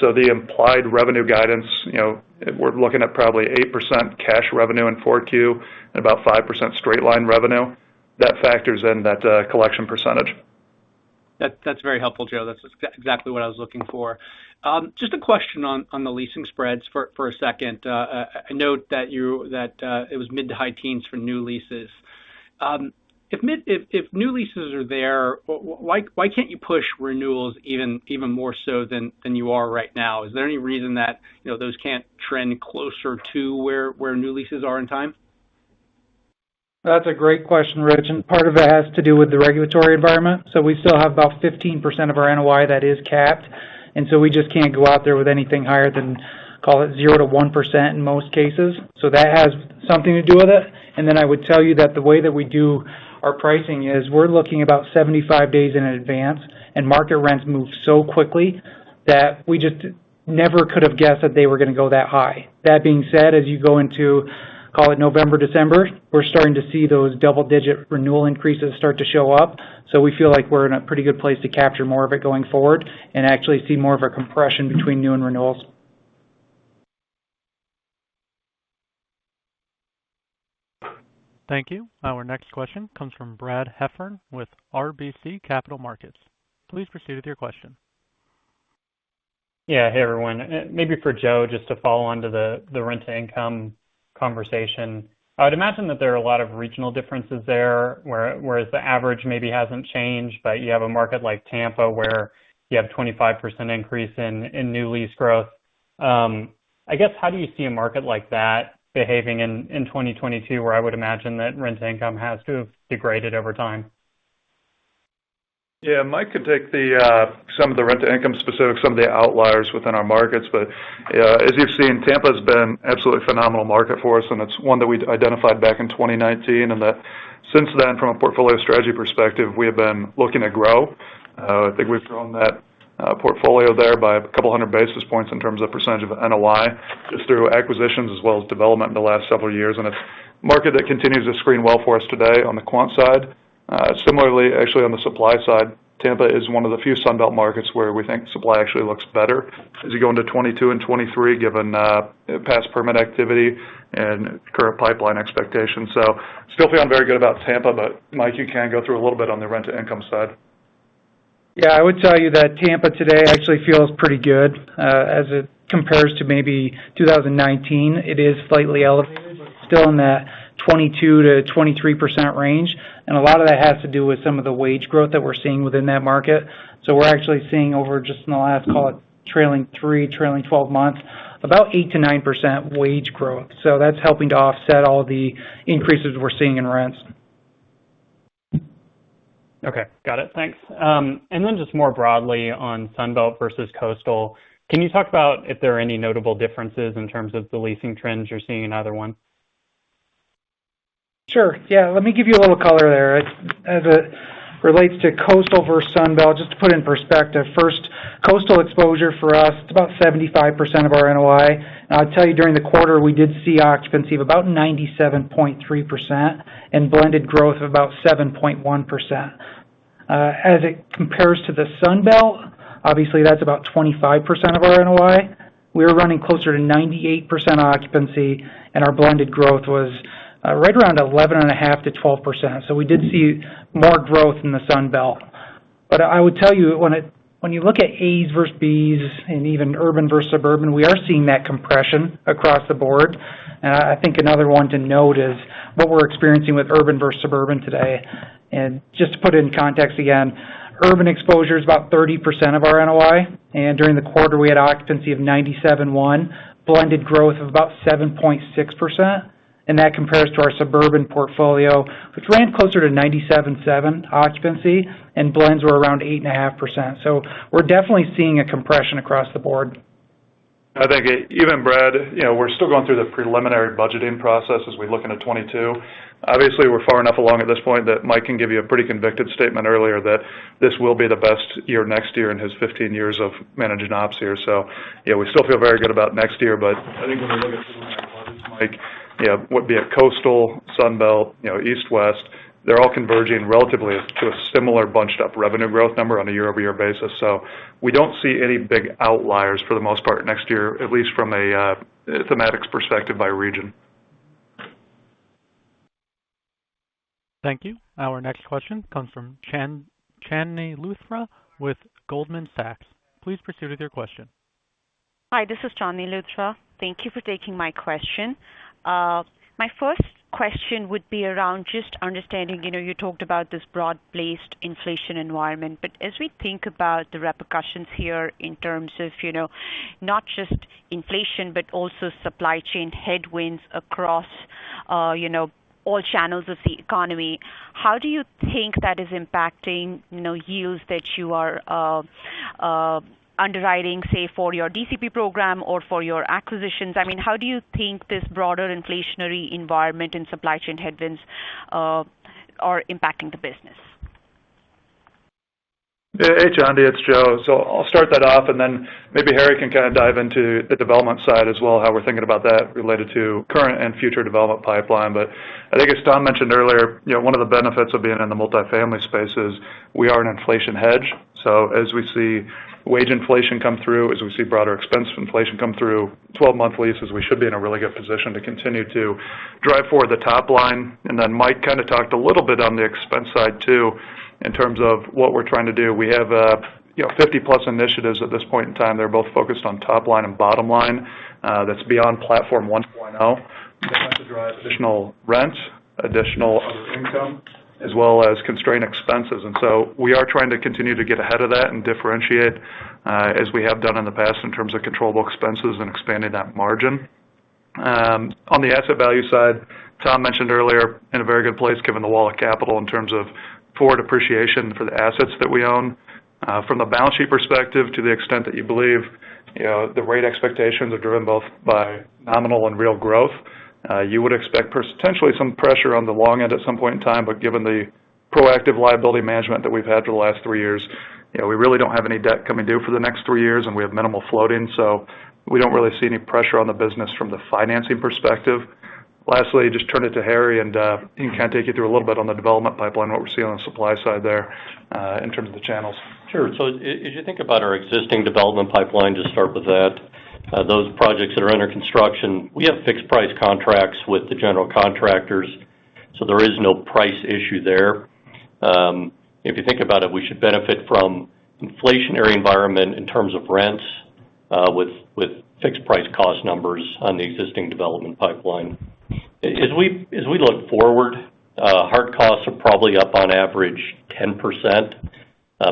So the implied revenue guidance, you know, we're looking at probably 8% cash revenue in 4Q and about 5% straight line revenue. That factors in that collection percentage. That's very helpful, Joe. That's exactly what I was looking for. Just a question on the leasing spreads for a second. I note that it was mid- to high-teens for new leases. If new leases are there, why can't you push renewals even more so than you are right now? Is there any reason that you know those can't trend closer to where new leases are in time? That's a great question, Rich, and part of it has to do with the regulatory environment. We still have about 15% of our NOI that is capped, and so we just can't go out there with anything higher than, call it, 0%-1% in most cases. That has something to do with it. I would tell you that the way that we do our pricing is we're looking about 75 days in advance, and market rents move so quickly that we just never could have guessed that they were gonna go that high. That being said, as you go into, call it November, December, we're starting to see those double-digit renewal increases start to show up. We feel like we're in a pretty good place to capture more of it going forward and actually see more of a compression between new and renewals. Thank you. Our next question comes from Brad Heffern with RBC Capital Markets. Please proceed with your question. Yeah. Hey, everyone. Maybe for Joe, just to follow on to the rent-to-income conversation. I would imagine that there are a lot of regional differences there, where, whereas the average maybe hasn't changed, but you have a market like Tampa, where you have 25% increase in new lease growth. I guess, how do you see a market like that behaving in 2022, where I would imagine that rent-to-income has to have degraded over time? Yeah, Mike can take the some of the rent-to-income specifics, some of the outliers within our markets. As you've seen, Tampa's been absolutely phenomenal market for us, and it's one that we'd identified back in 2019. That since then, from a portfolio strategy perspective, we have been looking to grow. I think we've grown that portfolio there by a couple hundred basis points in terms of percentage of NOI just through acquisitions as well as development in the last several years. It's market that continues to screen well for us today on the quant side. Similarly, actually, on the supply side, Tampa is one of the few Sun Belt markets where we think supply actually looks better as you go into 2022 and 2023, given past permit activity and current pipeline expectations. Still feeling very good about Tampa. Mike, you can go through a little bit on the rent-to-income side. Yeah, I would tell you that Tampa today actually feels pretty good, as it compares to maybe 2019. It is slightly elevated, but still in that 22%-23% range. A lot of that has to do with some of the wage growth that we're seeing within that market. We're actually seeing over just in the last, trailing 12 months, about 8%-9% wage growth. That's helping to offset all the increases we're seeing in rents. Okay. Got it. Thanks. Just more broadly on Sun Belt versus Coastal, can you talk about if there are any notable differences in terms of the leasing trends you're seeing in either one? Sure. Yeah. Let me give you a little color there. As it relates to Coastal versus Sun Belt, just to put it in perspective, first, Coastal exposure for us, it's about 75% of our NOI. I'll tell you, during the quarter, we did see occupancy of about 97.3% and blended growth of about 7.1%. As it compares to the Sun Belt, obviously, that's about 25% of our NOI. We're running closer to 98% occupancy, and our blended growth was right around 11.5%-12%. We did see more growth in the Sun Belt. I would tell you, when you look at As versus Bs and even urban versus suburban, we are seeing that compression across the board. I think another one to note is what we're experiencing with urban versus suburban today. Just to put it in context again, urban exposure is about 30% of our NOI, and during the quarter, we had occupancy of 97.1, blended growth of about 7.6%, and that compares to our suburban portfolio, which ran closer to 97.7 occupancy, and blends were around 8.5%. We're definitely seeing a compression across the board. I think even Brad, you know, we're still going through the preliminary budgeting process as we look into 2022. Obviously, we're far enough along at this point that Mike can give you a pretty convicted statement earlier that this will be the best year next year in his 15 years of managing ops here. Yeah, we still feel very good about next year. I think when we look at some of our budgets, Mike, you know, would be a Coastal, Sun Belt, you know, East, West, they're all converging relatively to a similar bunched up revenue growth number on a year-over-year basis. We don't see any big outliers for the most part next year, at least from a thematics perspective by region. Thank you. Our next question comes from Chandni Luthra with Goldman Sachs. Please proceed with your question. Hi, this is Chandni Luthra. Thank you for taking my question. My first question would be around just understanding, you know, you talked about this broad-based inflation environment. As we think about the repercussions here in terms of, you know, not just inflation, but also supply chain headwinds across, you know, all channels of the economy, how do you think that is impacting, you know, yields that you are underwriting, say, for your DCP program or for your acquisitions? I mean, how do you think this broader inflationary environment and supply chain headwinds are impacting the business? Hey, Chandni, it's Joe. I'll start that off, and then maybe Harry can kind of dive into the development side as well, how we're thinking about that related to current and future development pipeline. I think as Tom mentioned earlier, you know, one of the benefits of being in the multifamily space is we are an inflation hedge. As we see wage inflation come through, as we see broader expense inflation come through 12-month leases, we should be in a really good position to continue to drive forward the top line. Then Mike kind of talked a little bit on the expense side, too, in terms of what we're trying to do. We have, you know, 50+ initiatives at this point in time. They're both focused on top line and bottom line, that's beyond Platform 1.0. They're meant to drive additional rent, additional other income, as well as constrain expenses. We are trying to continue to get ahead of that and differentiate, as we have done in the past, in terms of controllable expenses and expanding that margin. On the asset value side, Tom mentioned earlier, in a very good place, given the wall of capital in terms of forward appreciation for the assets that we own. From a balance sheet perspective, to the extent that you believe, you know, the rate expectations are driven both by nominal and real growth, you would expect potentially some pressure on the long end at some point in time. Given the proactive liability management that we've had for the last three years, you know, we really don't have any debt coming due for the next three years, and we have minimal floating, so we don't really see any pressure on the business from the financing perspective. Lastly, just turn it over to Harry and he can kind of take you through a little bit on the development pipeline, what we're seeing on the supply side there, in terms of the challenges. Sure. If you think about our existing development pipeline, just start with that, those projects that are under construction, we have fixed price contracts with the general contractors, so there is no price issue there. If you think about it, we should benefit from inflationary environment in terms of rents, with fixed price cost numbers on the existing development pipeline. As we look forward, hard costs are probably up on average 10%.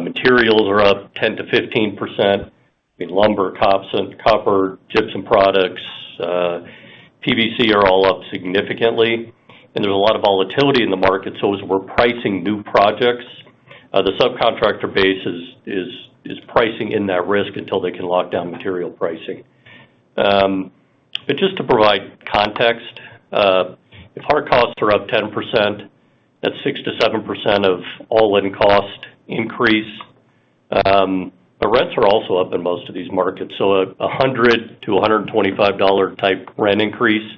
Materials are up 10%-15%. In lumber, copper, gypsum products, PVC are all up significantly, and there's a lot of volatility in the market. As we're pricing new projects, the subcontractor base is pricing in that risk until they can lock down material pricing. But just to provide context, if our costs are up 10%, that's 6%-7% of all-in cost increase. The rents are also up in most of these markets, so a $100-$125 type rent increase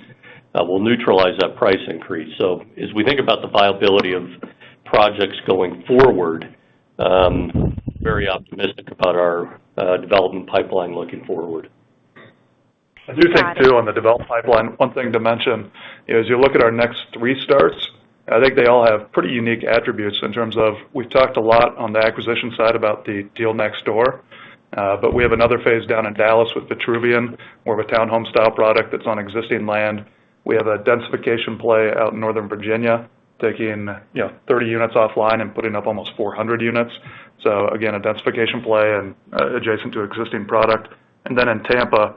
will neutralize that price increase. As we think about the viability of projects going forward, very optimistic about our development pipeline looking forward. I do think too, on the development pipeline, one thing to mention is you look at our next three starts. I think they all have pretty unique attributes in terms of we've talked a lot on the acquisition side about the deal next door, but we have another phase down in Dallas with Vitruvian. More of a town home style product that's on existing land. We have a densification play out in Northern Virginia, taking, you know, 30 units offline and putting up almost 400 units. So again, a densification play and adjacent to existing product. And then in Tampa,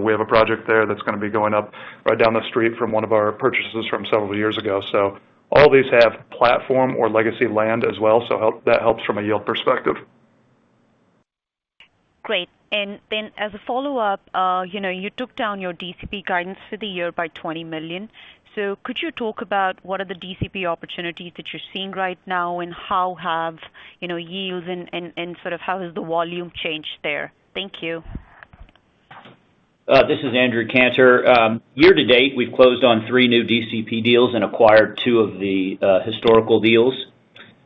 we have a project there that's gonna be going up right down the street from one of our purchases from several years ago. So all these have platform or legacy land as well, so that helps from a yield perspective. Great. As a follow-up, you know, you took down your DCP guidance for the year by $20 million. Could you talk about what are the DCP opportunities that you're seeing right now, and how have, you know, yields and and sort of how has the volume changed there? Thank you. This is Andrew Cantor. Year to date, we've closed on three new DCP deals and acquired two of the historical deals.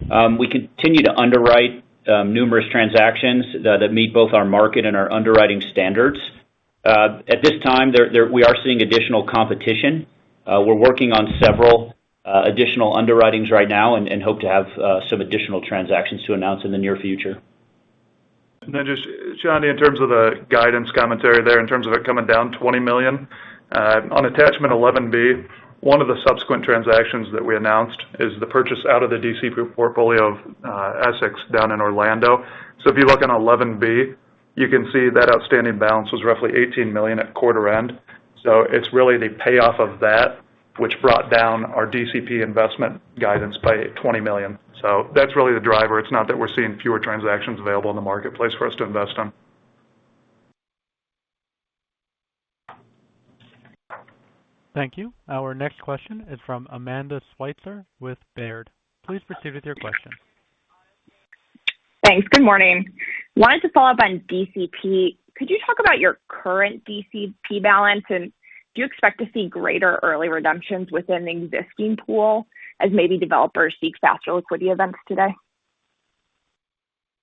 We continue to underwrite numerous transactions that meet both our market and our underwriting standards. At this time, we are seeing additional competition. We're working on several additional underwritings right now and hope to have some additional transactions to announce in the near future. Just, Chandni, in terms of the guidance commentary there, in terms of it coming down $20 million on Attachment 11B, one of the subsequent transactions that we announced is the purchase out of the D.C. group portfolio of Essex down in Orlando. If you look on 11B, you can see that outstanding balance was roughly $18 million at quarter end. It's really the payoff of that which brought down our DCP investment guidance by $20 million. That's really the driver. It's not that we're seeing fewer transactions available in the marketplace for us to invest on. Thank you. Our next question is from Amanda Sweitzer with Baird. Please proceed with your question. Thanks. Good morning. I wanted to follow up on DCP. Could you talk about your current DCP balance? And do you expect to see greater early redemptions within the existing pool as maybe developers seek faster liquidity events today?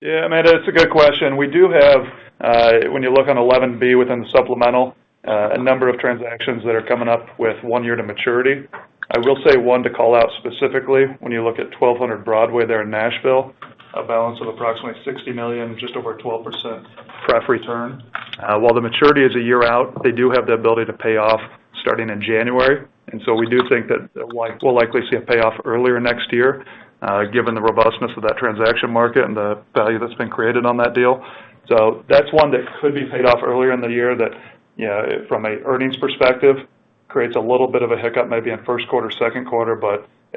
Yeah, Amanda, it's a good question. We do have, when you look on 11B within the supplemental, a number of transactions that are coming up with one year to maturity. I will say one to call out specifically, when you look at 1200 Broadway there in Nashville, a balance of approximately $60 million, just over a 12% pref return. While the maturity is a year out, they do have the ability to pay off starting in January. We do think that we'll likely see a payoff earlier next year, given the robustness of that transaction market and the value that's been created on that deal. That's one that could be paid off earlier in the year that, you know, from an earnings perspective, creates a little bit of a hiccup maybe in first quarter, second quarter.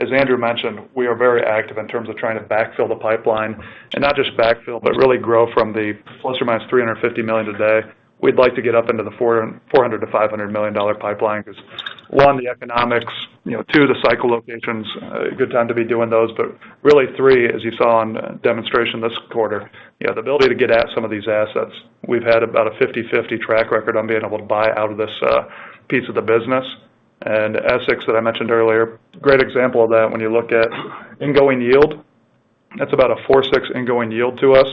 As Andrew mentioned, we are very active in terms of trying to backfill the pipeline. Not just backfill, but really grow from the ±350 million today. We'd like to get up into the $400 million-$500 million pipeline 'cause, one, the economics, you know, two, the cycle locations, good time to be doing those. Really three, as you saw on demonstration this quarter, you know, the ability to get at some of these assets. We've had about a 50/50 track record on being able to buy out of this, piece of the business. Essex, that I mentioned earlier, great example of that when you look at ingoing yield, that's about a 4.6% ingoing yield to us.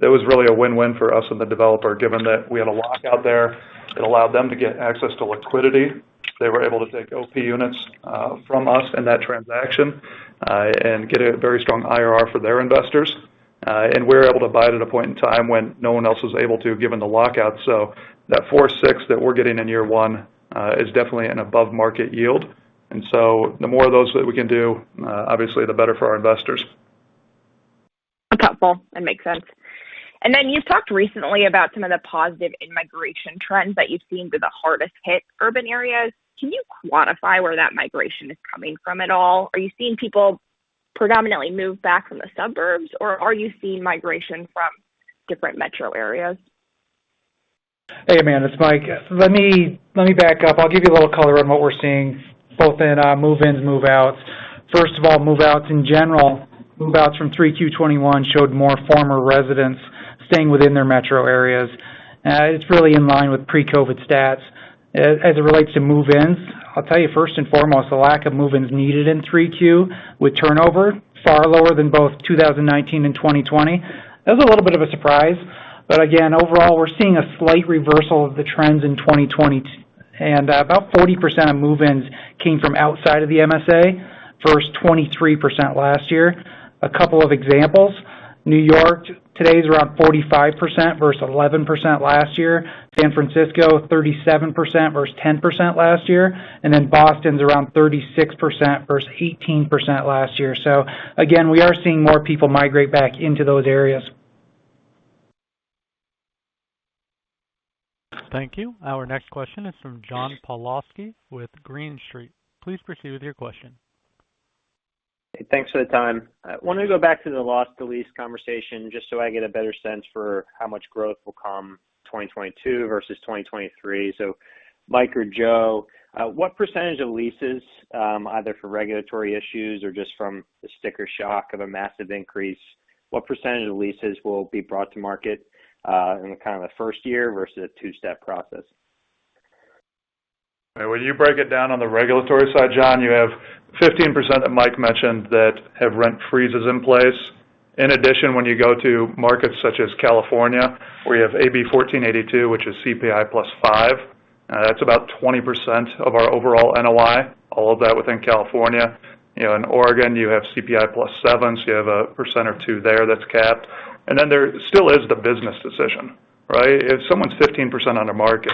That was really a win-win for us and the developer, given that we had a lock out there. It allowed them to get access to liquidity. They were able to take OP units from us in that transaction and get a very strong IRR for their investors. We're able to buy it at a point in time when no one else was able to, given the lockout. That 4.6% that we're getting in year one is definitely an above market yield. The more of those that we can do, obviously the better for our investors. Helpful. That makes sense. You've talked recently about some of the positive in-migration trends that you've seen to the hardest hit urban areas. Can you quantify where that migration is coming from at all? Are you seeing people predominantly move back from the suburbs, or are you seeing migration from different metro areas? Hey, Amanda, it's Mike. Let me back up. I'll give you a little color on what we're seeing both in move-ins, move-outs. First of all, move-outs in general. Move-outs from 3Q 2021 showed more former residents staying within their metro areas. It's really in line with pre-COVID stats. As it relates to move-ins, I'll tell you first and foremost, the lack of move-ins needed in 3Q with turnover far lower than both 2019 and 2020. That was a little bit of a surprise. Again, overall, we're seeing a slight reversal of the trends in 2020. About 40% of move-ins came from outside of the MSA, versus 23% last year. A couple of examples, New York today is around 45% versus 11% last year. San Francisco, 37% versus 10% last year. Boston's around 36% versus 18% last year. Again, we are seeing more people migrate back into those areas. Thank you. Our next question is from John Pawlowski with Green Street. Please proceed with your question. Hey, thanks for the time. I wanna go back to the loss to lease conversation just so I get a better sense for how much growth will come 2022 versus 2023. Mike or Joe, what percentage of leases, either for regulatory issues or just from the sticker shock of a massive increase, will be brought to market, in kinda the first year versus a two-step process? All right. When you break it down on the regulatory side, John, you have 15% that Mike mentioned that have rent freezes in place. In addition, when you go to markets such as California, where you have AB 1482, which is CPI + 5%, that's about 20% of our overall NOI, all of that within California. You know, in Oregon, you have CPI + 7%, so you have 1% or 2% there that's capped. Then there still is the business decision, right? If someone's 15% on a market,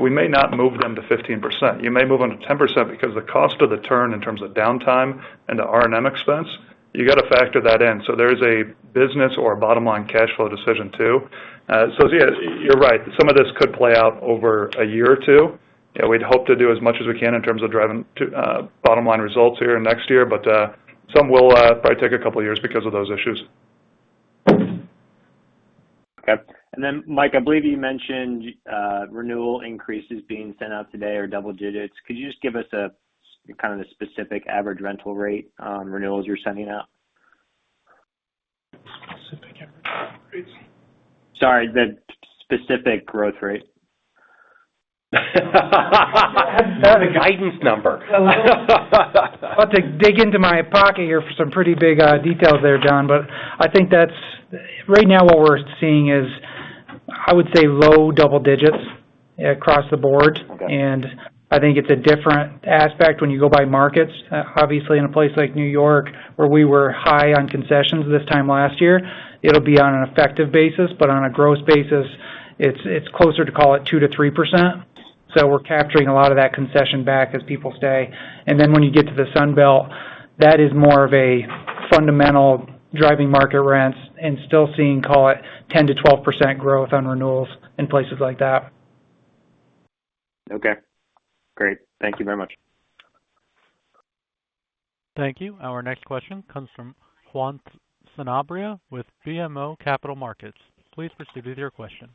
we may not move them to 15%. You may move them to 10% because the cost of the turn in terms of downtime and the R&M expense, you gotta factor that in. There's a business or a bottom-line cash flow decision too. Yeah, you're right. Some of this could play out over a year or two. Yeah, we'd hope to do as much as we can in terms of driving to bottom line results here next year, but some will probably take a couple of years because of those issues. Okay. Mike, I believe you mentioned renewal increases being sent out today are double digits. Could you just give us kinda the specific average rental rate renewals you're sending out? Specific average rates. Sorry, the specific growth rate. Not a guidance number. About to dig into my pocket here for some pretty big details there, John, but I think that's right now what we're seeing is, I would say low double digits across the board. Okay. I think it's a different aspect when you go by markets. Obviously in a place like New York, where we were high on concessions this time last year, it'll be on an effective basis. On a gross basis, it's closer to call it 2%-3%. We're capturing a lot of that concession back as people stay. Then when you get to the Sun Belt, that is more of a fundamental driving market rents and still seeing, call it 10%-12% growth on renewals in places like that. Okay. Great. Thank you very much. Thank you. Our next question comes from Juan Sanabria with BMO Capital Markets. Please proceed with your question.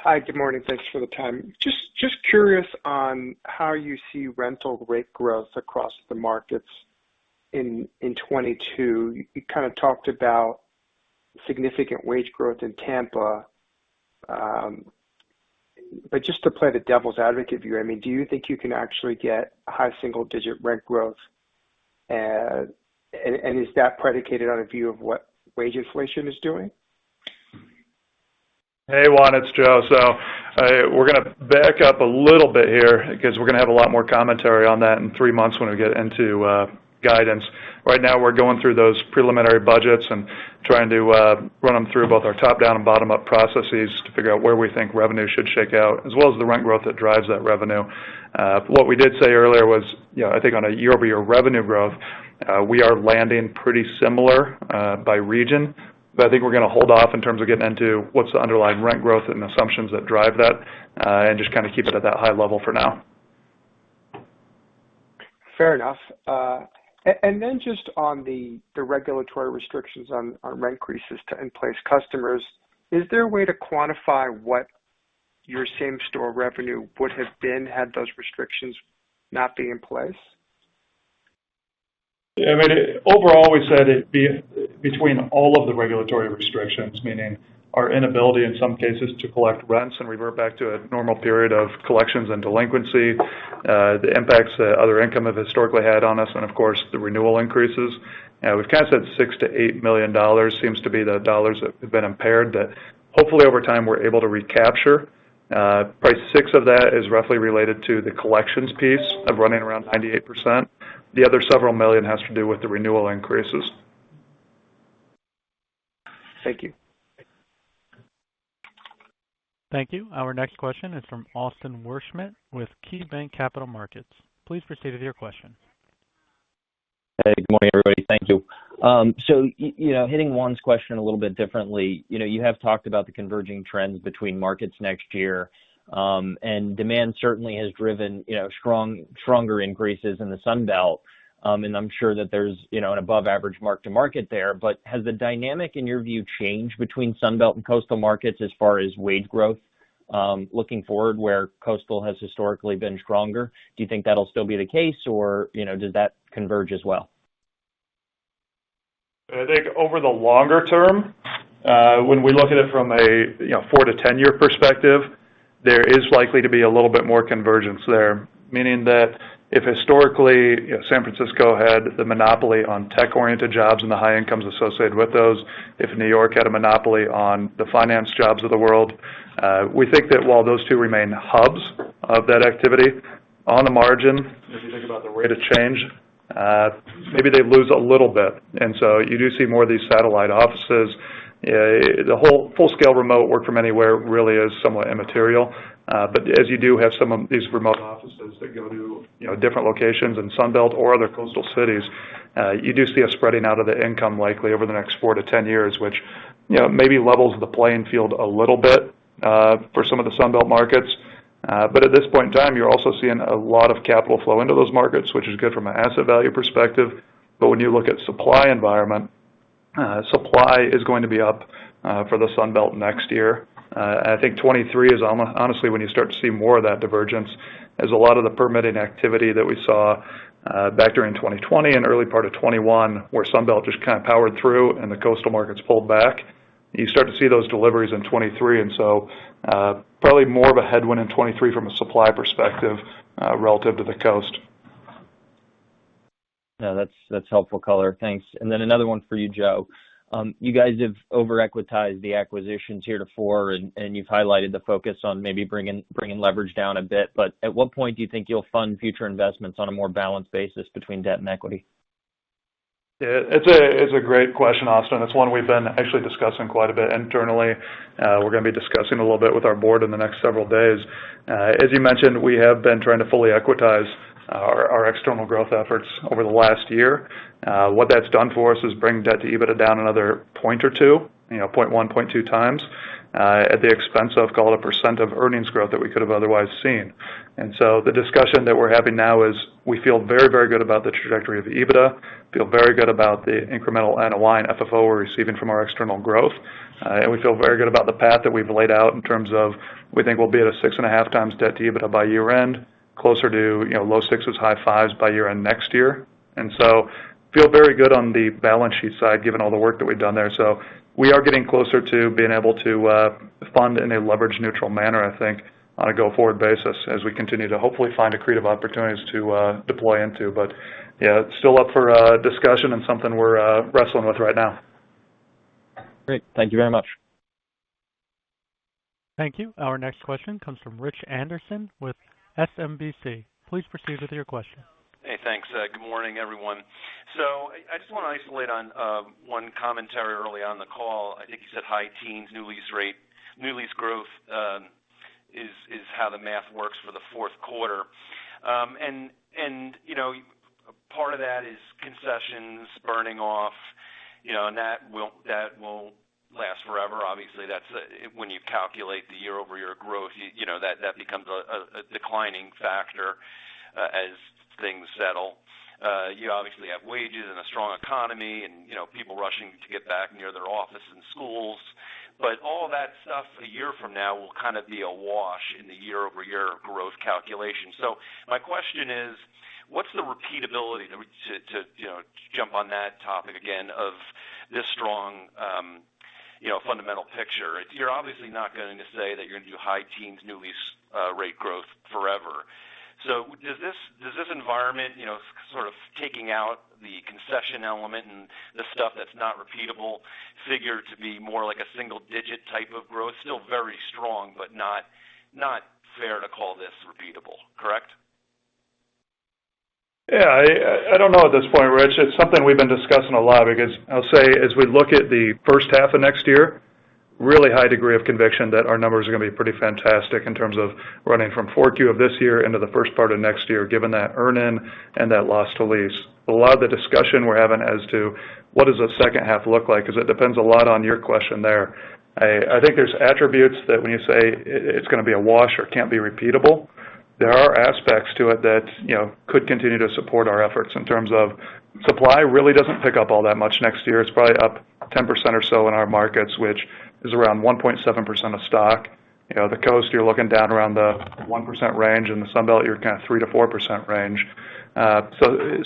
Hi, good morning. Thanks for the time. Just curious on how you see rental rate growth across the markets in 2022. You kind of talked about significant wage growth in Tampa. But just to play the devil's advocate here, I mean, do you think you can actually get high single-digit rent growth? Is that predicated on a view of what wage inflation is doing? Hey, Juan, it's Joe. We're gonna back up a little bit here because we're gonna have a lot more commentary on that in three months when we get into guidance. Right now we're going through those preliminary budgets and trying to run them through both our top-down and bottom-up processes to figure out where we think revenue should shake out, as well as the rent growth that drives that revenue. What we did say earlier was, you know, I think on a year-over-year revenue growth, we are landing pretty similar by region, but I think we're gonna hold off in terms of getting into what's the underlying rent growth and assumptions that drive that, and just kinda keep it at that high level for now. Fair enough. Just on the regulatory restrictions on rent increases to in-place customers, is there a way to quantify what your same-store revenue would have been had those restrictions not be in place? Yeah. I mean, overall, we said it'd be between all of the regulatory restrictions, meaning our inability in some cases to collect rents and revert back to a normal period of collections and delinquency, the impacts that other income have historically had on us, and of course, the renewal increases. We've kinda said $6 million-$8 million seems to be the dollars that have been impaired, that hopefully over time we're able to recapture. Probably six of that is roughly related to the collections piece of running around 98%. The other several million has to do with the renewal increases. Thank you. Thank you. Our next question is from Austin Wurschmidt with KeyBanc Capital Markets. Please proceed with your question. Hey, good morning, everybody. Thank you. So you know, hitting Juan's question a little bit differently. You know, you have talked about the converging trends between markets next year, and demand certainly has driven, you know, stronger increases in the Sun Belt. And I'm sure that there's, you know, an above average mark-to-market there. But has the dynamic, in your view, changed between Sun Belt and Coastal markets as far as wage growth, looking forward, where Coastal has historically been stronger? Do you think that'll still be the case or, you know, does that converge as well? I think over the longer term, when we look at it from a, you know, four- to 10-year perspective, there is likely to be a little bit more convergence there. Meaning that if historically, you know, San Francisco had the monopoly on tech-oriented jobs and the high incomes associated with those, if New York had a monopoly on the finance jobs of the world, we think that while those two remain hubs of that activity, on the margin, if you think about the rate of change, maybe they lose a little bit. You do see more of these satellite offices. The whole full-scale remote work from anywhere really is somewhat immaterial. As you do have some of these remote offices- Since they go to, you know, different locations in Sun Belt or other Coastal cities, you do see a spreading out of the income likely over the next four to 10 years, which, you know, maybe levels the playing field a little bit for some of the Sun Belt markets. At this point in time, you're also seeing a lot of capital flow into those markets, which is good from an asset value perspective. When you look at supply environment, supply is going to be up for the Sun Belt next year. I think 2023 is honestly when you start to see more of that divergence, as a lot of the permitting activity that we saw back during 2020 and early part of 2021, where Sun Belt just kind of powered through and the Coastal markets pulled back. You start to see those deliveries in 2023, and so, probably more of a headwind in 2023 from a supply perspective, relative to the coast. No, that's helpful color. Thanks. Another one for you, Joe. You guys have over-equitized the acquisitions heretofore, and you've highlighted the focus on maybe bringing leverage down a bit, but at what point do you think you'll fund future investments on a more balanced basis between debt and equity? Yeah. It's a great question, Austin. It's one we've been actually discussing quite a bit internally. We're gonna be discussing a little bit with our board in the next several days. As you mentioned, we have been trying to fully equitize our external growth efforts over the last year. What that's done for us is bring debt-to-EBITDA down another 0.1x or 0.2x, you know, at the expense of call it 1% of earnings growth that we could have otherwise seen. The discussion that we're having now is we feel very, very good about the trajectory of the EBITDA, feel very good about the incremental NOI and FFO we're receiving from our external growth, and we feel very good about the path that we've laid out in terms of we think we'll be at a 6.5x debt-to-EBITDA by year-end, closer to, you know, low sixes, high fives by year-end next year. We feel very good on the balance sheet side, given all the work that we've done there. We are getting closer to being able to fund in a leverage-neutral manner, I think, on a go-forward basis, as we continue to hopefully find accretive opportunities to deploy into. Yeah, it's still up for discussion and something we're wrestling with right now. Great. Thank you very much. Thank you. Our next question comes from Rich Anderson with SMBC. Please proceed with your question. Hey, thanks. Good morning, everyone. I just wanna isolate on one commentary early on in the call. I think you said high-teens new lease rate growth is how the math works for the fourth quarter. You know, part of that is concessions burning off, you know, and that won't last forever. Obviously, when you calculate the year-over-year growth, you know, that becomes a declining factor as things settle. You obviously have wages and a strong economy and, you know, people rushing to get back near their office and schools. All that stuff a year from now will kind of be awash in the year-over-year growth calculation. My question is, what's the repeatability to you know jump on that topic again of this strong you know fundamental picture? You're obviously not going to say that you're gonna do high teens new lease rate growth forever. Does this environment you know sort of taking out the concession element and the stuff that's not repeatable figure to be more like a single digit type of growth? Still very strong, but not fair to call this repeatable, correct? Yeah. I don't know at this point, Rich. It's something we've been discussing a lot because I'll say, as we look at the first half of next year, really high degree of conviction that our numbers are gonna be pretty fantastic in terms of running from 4Q of this year into the first part of next year, given that earn-in and that loss-to-lease. A lot of the discussion we're having as to what does the second half look like, because it depends a lot on your question there. I think there's attributes that when you say it's gonna be a wash or can't be repeatable, there are aspects to it that, you know, could continue to support our efforts in terms of supply really doesn't pick up all that much next year. It's probably up 10% or so in our markets, which is around 1.7% of stock. You know, the coast, you're looking down around the 1% range. In the Sun Belt, you're kind of 3%-4% range.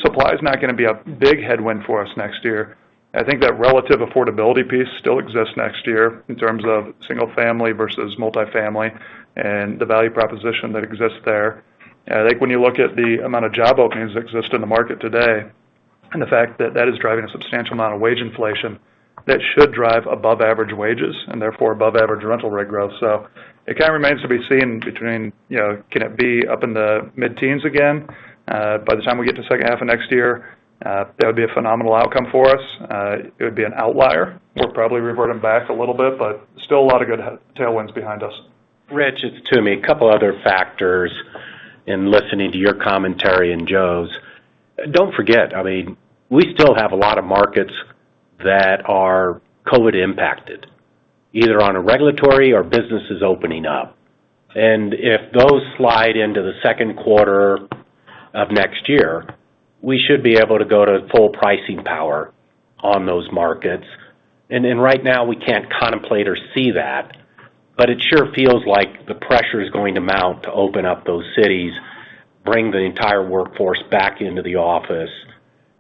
Supply is not gonna be a big headwind for us next year. I think that relative affordability piece still exists next year in terms of single family versus multifamily and the value proposition that exists there. I think when you look at the amount of job openings that exist in the market today and the fact that that is driving a substantial amount of wage inflation, that should drive above average wages and therefore above average rental rate growth. It kind of remains to be seen between, you know, can it be up in the mid-teens again, by the time we get to second half of next year? That would be a phenomenal outcome for us. It would be an outlier. We're probably reverting back a little bit, but still a lot of good tailwinds behind us. Rich, it's Toomey. A couple other factors in listening to your commentary and Joe's. Don't forget, I mean, we still have a lot of markets that are COVID impacted, either on a regulatory or businesses opening up. If those slide into the second quarter of next year, we should be able to go to full pricing power on those markets. Right now, we can't contemplate or see that, but it sure feels like the pressure is going to mount to open up those cities, bring the entire workforce back into the office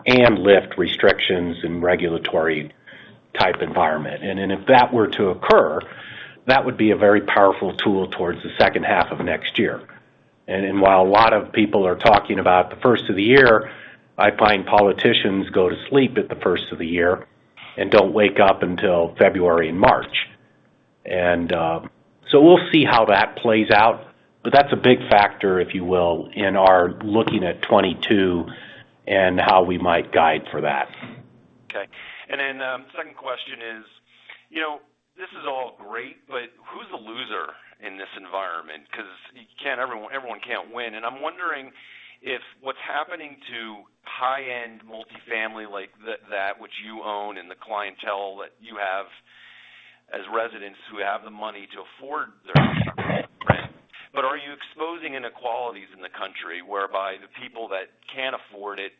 and lift restrictions in regulatory type environment. If that were to occur, that would be a very powerful tool towards the second half of next year. While a lot of people are talking about the first of the year, I find politicians go to sleep at the first of the year and don't wake up until February and March. So we'll see how that plays out, but that's a big factor, if you will, in our looking at 2022 and how we might guide for that. You know, this is all great, but who's the loser in this environment? Because everyone can't win. I'm wondering if what's happening to high-end multifamily like that which you own and the clientele that you have as residents who have the money to afford their rent. Are you exposing inequalities in the country whereby the people that can't afford it,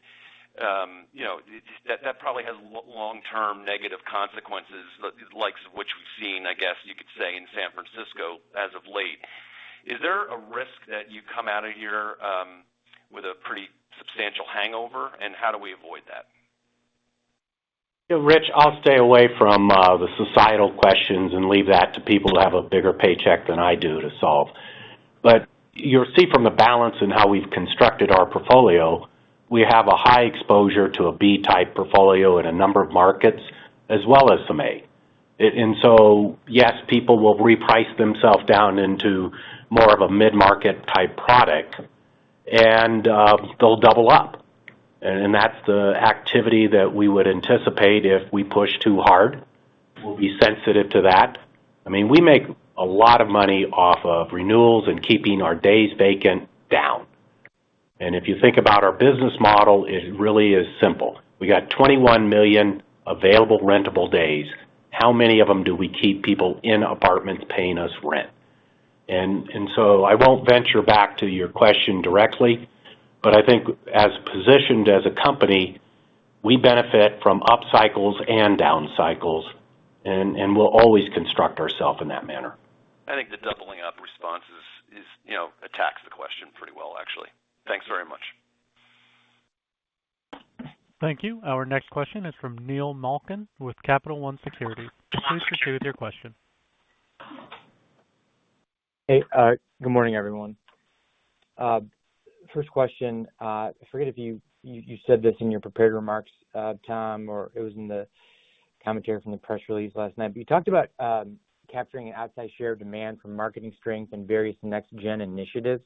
that probably has long-term negative consequences, the likes of which we've seen, I guess you could say, in San Francisco as of late. Is there a risk that you come out of here, with a pretty substantial hangover, and how do we avoid that? Yeah, Rich, I'll stay away from the societal questions and leave that to people who have a bigger paycheck than I do to solve. You'll see from the balance in how we've constructed our portfolio, we have a high exposure to a B-type portfolio in a number of markets, as well as some A. Yes, people will reprice themselves down into more of a mid-market type product, and they'll double up. That's the activity that we would anticipate if we push too hard. We'll be sensitive to that. I mean, we make a lot of money off of renewals and keeping our days vacant down. If you think about our business model, it really is simple. We got 21 million available rentable days. How many of them do we keep people in apartments paying us rent? I won't venture back to your question directly, but I think as positioned as a company, we benefit from up cycles and down cycles, and we'll always construct ourselves in that manner. I think the doubling up response is, you know, attacks the question pretty well, actually. Thanks very much. Thank you. Our next question is from Neil Malkin with Capital One Securities. Please proceed with your question. Hey, good morning, everyone. First question, I forget if you said this in your prepared remarks, Tom, or it was in the commentary from the press release last night. You talked about capturing outsized share demand from marketing strength and various Next Gen initiatives.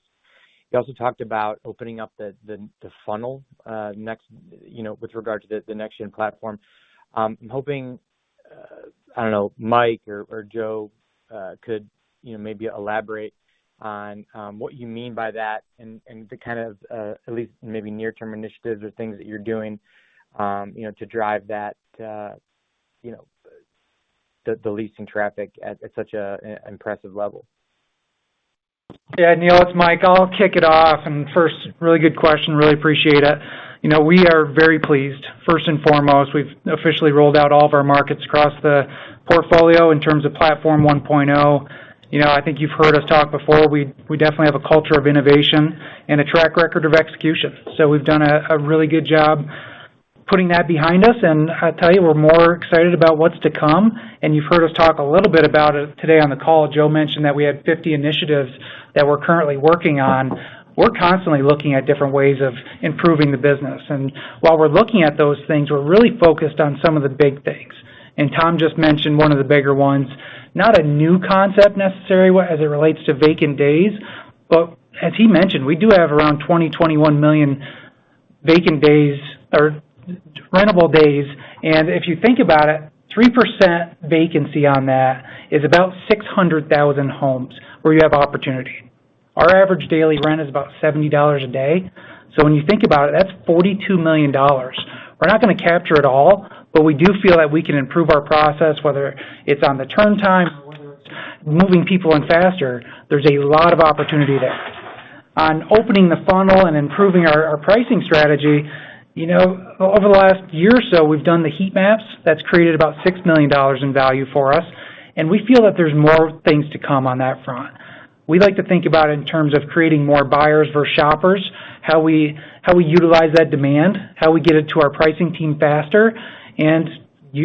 You also talked about opening up the funnel next, you know, with regard to the Next Gen platform. I'm hoping, I don't know, Mike or Joe, could you know, maybe elaborate on what you mean by that and the kind of at least maybe near term initiatives or things that you're doing, you know, to drive that, you know, the leasing traffic at such an impressive level. Yeah. Neil, it's Mike. I'll kick it off. First, really good question. Really appreciate it. You know, we are very pleased. First and foremost, we've officially rolled out all of our markets across the portfolio in terms of Platform 1.0. You know, I think you've heard us talk before. We definitely have a culture of innovation and a track record of execution. We've done a really good job putting that behind us. I tell you, we're more excited about what's to come. You've heard us talk a little bit about it today on the call. Joe mentioned that we had 50 initiatives that we're currently working on. We're constantly looking at different ways of improving the business. While we're looking at those things, we're really focused on some of the big things, and Tom just mentioned one of the bigger ones. Not a new concept necessarily as it relates to vacant days, but as he mentioned, we do have around 20-21 million vacant days or rentable days. If you think about it, 3% vacancy on that is about 600,000 homes where you have opportunity. Our average daily rent is about $70 a day. When you think about it, that's $42 million. We're not gonna capture it all, but we do feel that we can improve our process, whether it's on the turn time, whether it's moving people in faster. There's a lot of opportunity there. On opening the funnel and improving our pricing strategy, you know, over the last year or so, we've done the heat maps. That's created about $6 million in value for us, and we feel that there's more things to come on that front. We like to think about it in terms of creating more buyers versus shoppers, how we utilize that demand, how we get it to our pricing team faster and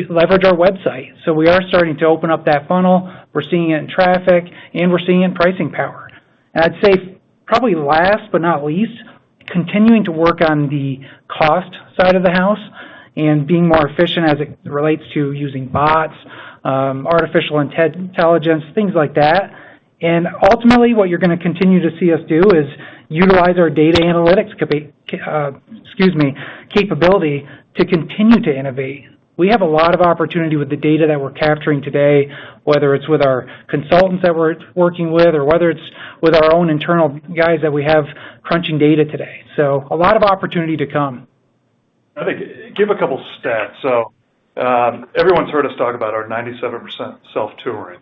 leverage our website. We are starting to open up that funnel. We're seeing it in traffic, and we're seeing it in pricing power. I'd say probably last but not least, continuing to work on the cost side of the house and being more efficient as it relates to using bots, artificial intelligence, things like that. Ultimately, what you're gonna continue to see us do is utilize our data analytics capability to continue to innovate. We have a lot of opportunity with the data that we're capturing today, whether it's with our consultants that we're working with or whether it's with our own internal guys that we have crunching data today. A lot of opportunity to come. I think, give a couple stats. Everyone's heard us talk about our 97% self-touring.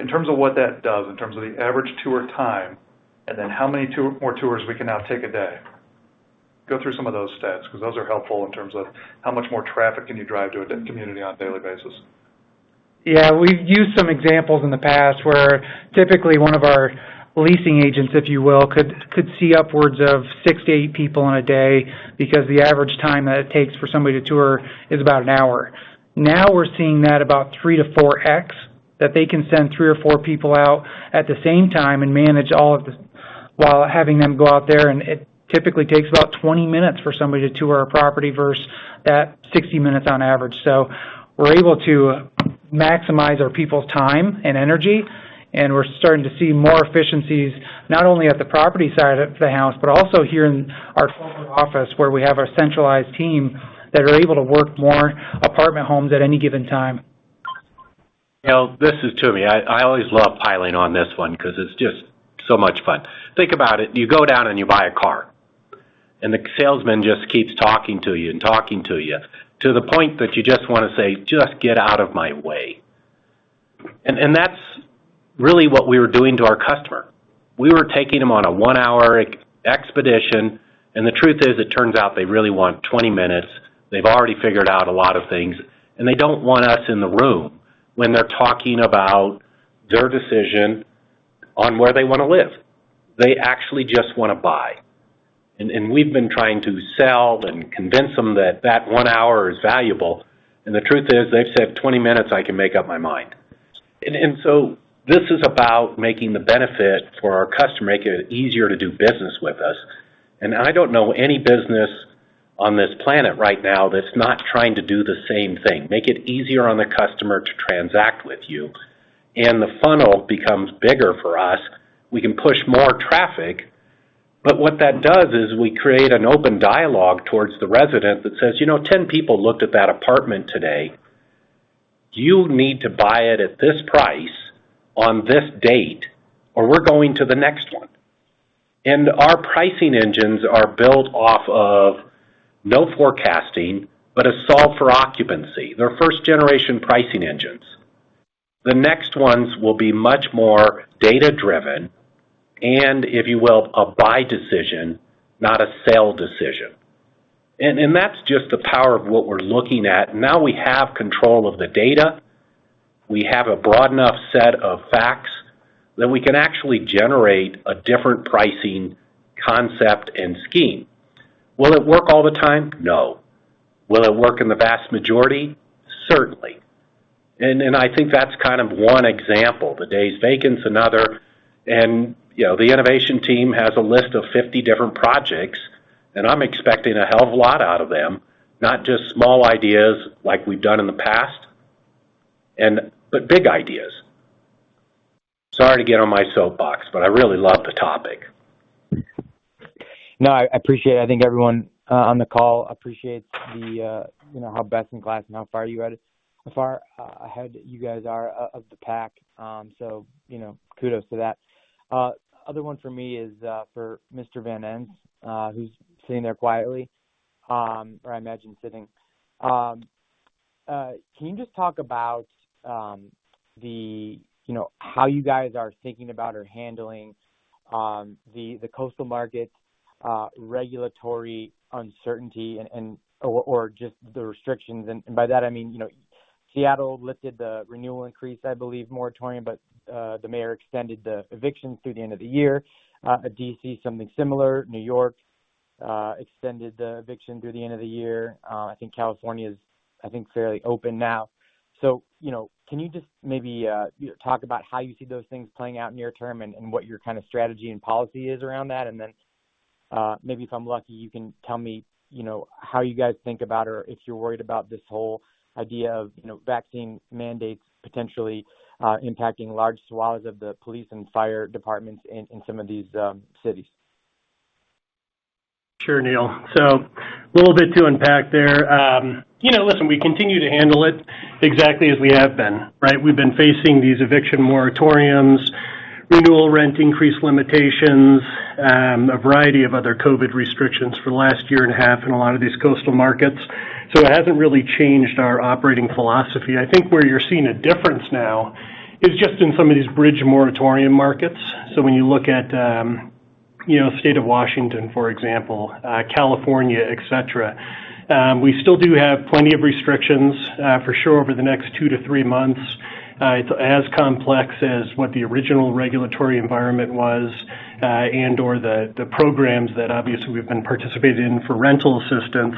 In terms of what that does, in terms of the average tour time, and then how many more tours we can now take a day. Go through some of those stats, because those are helpful in terms of how much more traffic can you drive to a community on a daily basis? Yeah, we've used some examples in the past where typically one of our leasing agents, if you will, could see upwards of six to eight people in a day because the average time that it takes for somebody to tour is about an hour. Now we're seeing that about 3x-4x, that they can send three or four people out at the same time and manage all of this while having them go out there, and it typically takes about 20 minutes for somebody to tour a property versus that 60 minutes on average. We're able to maximize our people's time and energy. We're starting to see more efficiencies, not only at the property side of the house, but also here in our corporate office, where we have our centralized team that are able to work more apartment homes at any given time. You know, this is to me, I always love piling on this one because it's just so much fun. Think about it. You go down and you buy a car, and the salesman just keeps talking to you and talking to you to the point that you just wanna say, "Just get out of my way." That's really what we were doing to our customer. We were taking them on a one-hour expedition, and the truth is, it turns out they really want 20 minutes. They've already figured out a lot of things, and they don't want us in the room when they're talking about their decision on where they wanna live. They actually just wanna buy. We've been trying to sell and convince them that that one hour is valuable. The truth is, they've said, "20 minutes I can make up my mind." This is about making the benefit for our customer, make it easier to do business with us. I don't know any business on this planet right now that's not trying to do the same thing, make it easier on the customer to transact with you. The funnel becomes bigger for us. We can push more traffic. What that does is we create an open dialogue towards the resident that says, "You know, 10 people looked at that apartment today. You need to buy it at this price on this date, or we're going to the next one." Our pricing engines are built off of no forecasting, but a solve for occupancy. They're first-generation pricing engines. The next ones will be much more data-driven, and if you will, a buy decision, not a sell decision. That's just the power of what we're looking at. Now we have control of the data. We have a broad enough set of facts that we can actually generate a different pricing concept and scheme. Will it work all the time? No. Will it work in the vast majority? Certainly. I think that's kind of one example. The days vacant's another. You know, the innovation team has a list of 50 different projects, and I'm expecting a hell of a lot out of them, not just small ideas like we've done in the past, but big ideas. Sorry to get on my soapbox, but I really love the topic. No, I appreciate it. I think everyone on the call appreciates you know, how best in class and how far you are at it, how far ahead you guys are of the pack. So, you know, kudos to that. Other one for me is for Mr. Van Ens, who's sitting there quietly, or I imagine sitting. Can you just talk about you know, how you guys are thinking about or handling the Coastal market regulatory uncertainty or just the restrictions. By that, I mean, you know, Seattle lifted the renewal increase, I believe, moratorium, but the mayor extended the eviction through the end of the year. D.C., something similar. New York extended the eviction through the end of the year. I think California is, I think, fairly open now. You know, can you just maybe, you know, talk about how you see those things playing out near term and what your kind of strategy and policy is around that? Then, maybe if I'm lucky, you can tell me, you know, how you guys think about or if you're worried about this whole idea of, you know, vaccine mandates potentially impacting large swaths of the police and fire departments in some of these cities. Sure, Neil. A little bit to unpack there. You know, listen, we continue to handle it exactly as we have been, right? We've been facing these eviction moratoriums, renewal rent increase limitations, a variety of other COVID restrictions for the last year and a half in a lot of these Coastal markets. It hasn't really changed our operating philosophy. I think where you're seeing a difference now is just in some of these bridge moratorium markets. When you look at, you know, State of Washington, for example, California, et cetera, we still do have plenty of restrictions, for sure over the next two to three months. It's as complex as what the original regulatory environment was, and/or the programs that obviously we've been participating in for rental assistance.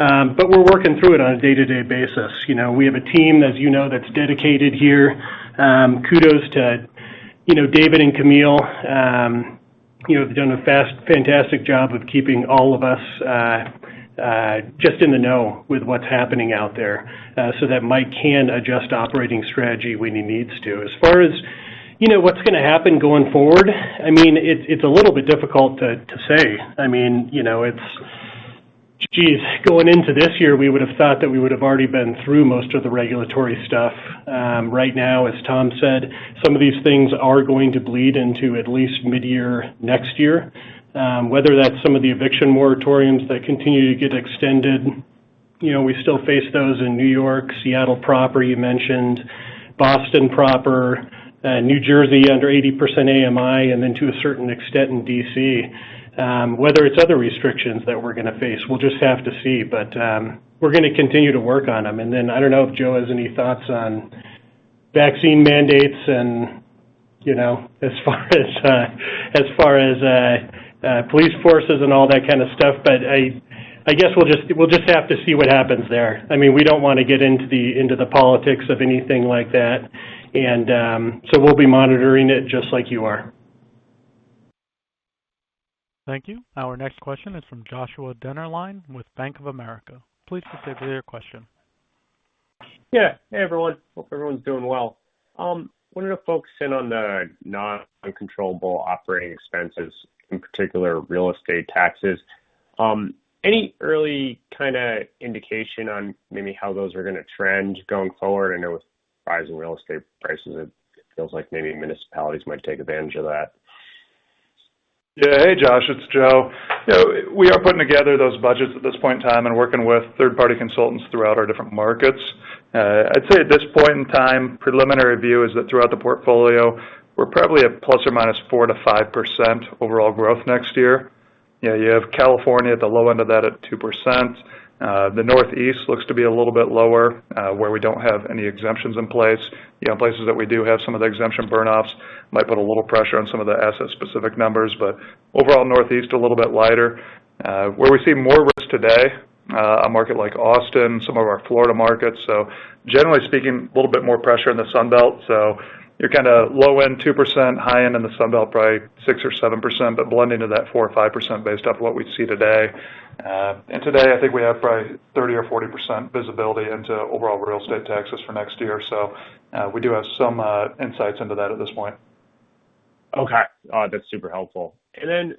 We're working through it on a day-to-day basis. You know, we have a team, as you know, that's dedicated here. Kudos to, you know, David and Camille, you know, they've done a fantastic job of keeping all of us just in the know with what's happening out there, so that Mike can adjust operating strategy when he needs to. As far as, you know, what's gonna happen going forward, I mean, it's a little bit difficult to say. I mean, you know, it's. Geez, going into this year, we would have thought that we would have already been through most of the regulatory stuff. Right now, as Tom said, some of these things are going to bleed into at least mid-year next year. Whether that's some of the eviction moratoriums that continue to get extended, you know, we still face those in New York, Seattle proper, you mentioned Boston proper, New Jersey under 80% AMI, and then to a certain extent in D.C. Whether it's other restrictions that we're gonna face, we'll just have to see. We're gonna continue to work on them. I don't know if Joe has any thoughts on vaccine mandates and, you know, as far as police forces and all that kind of stuff. I guess we'll just have to see what happens there. I mean, we don't wanna get into the politics of anything like that. We'll be monitoring it just like you are. Thank you. Our next question is from Joshua Dennerlein with Bank of America. Please proceed with your question. Yeah. Hey, everyone. Hope everyone's doing well. Wanted to focus in on the non-controllable operating expenses, in particular real estate taxes. Any early kinda indication on maybe how those are gonna trend going forward? I know with rising real estate prices, it feels like maybe municipalities might take advantage of that. Hey, Josh, it's Joe. You know, we are putting together those budgets at this point in time and working with third-party consultants throughout our different markets. I'd say at this point in time, preliminary view is that throughout the portfolio, we're probably at ±4%-5% overall growth next year. You have California at the low end of that at 2%. The Northeast looks to be a little bit lower, where we don't have any exemptions in place. You know, places that we do have some of the exemption burn offs might put a little pressure on some of the asset-specific numbers. But overall, Northeast, a little bit lighter. Where we see more risk today, a market like Austin, some of our Florida markets. Generally speaking, a little bit more pressure in the Sun Belt. You're kinda low-end 2%, high-end in the Sun Belt, probably 6%-7%, but blending to that 4%-5% based off what we see today. Today, I think we have probably 30%-40% visibility into overall real estate taxes for next year. We do have some insights into that at this point. Okay. That's super helpful. Then,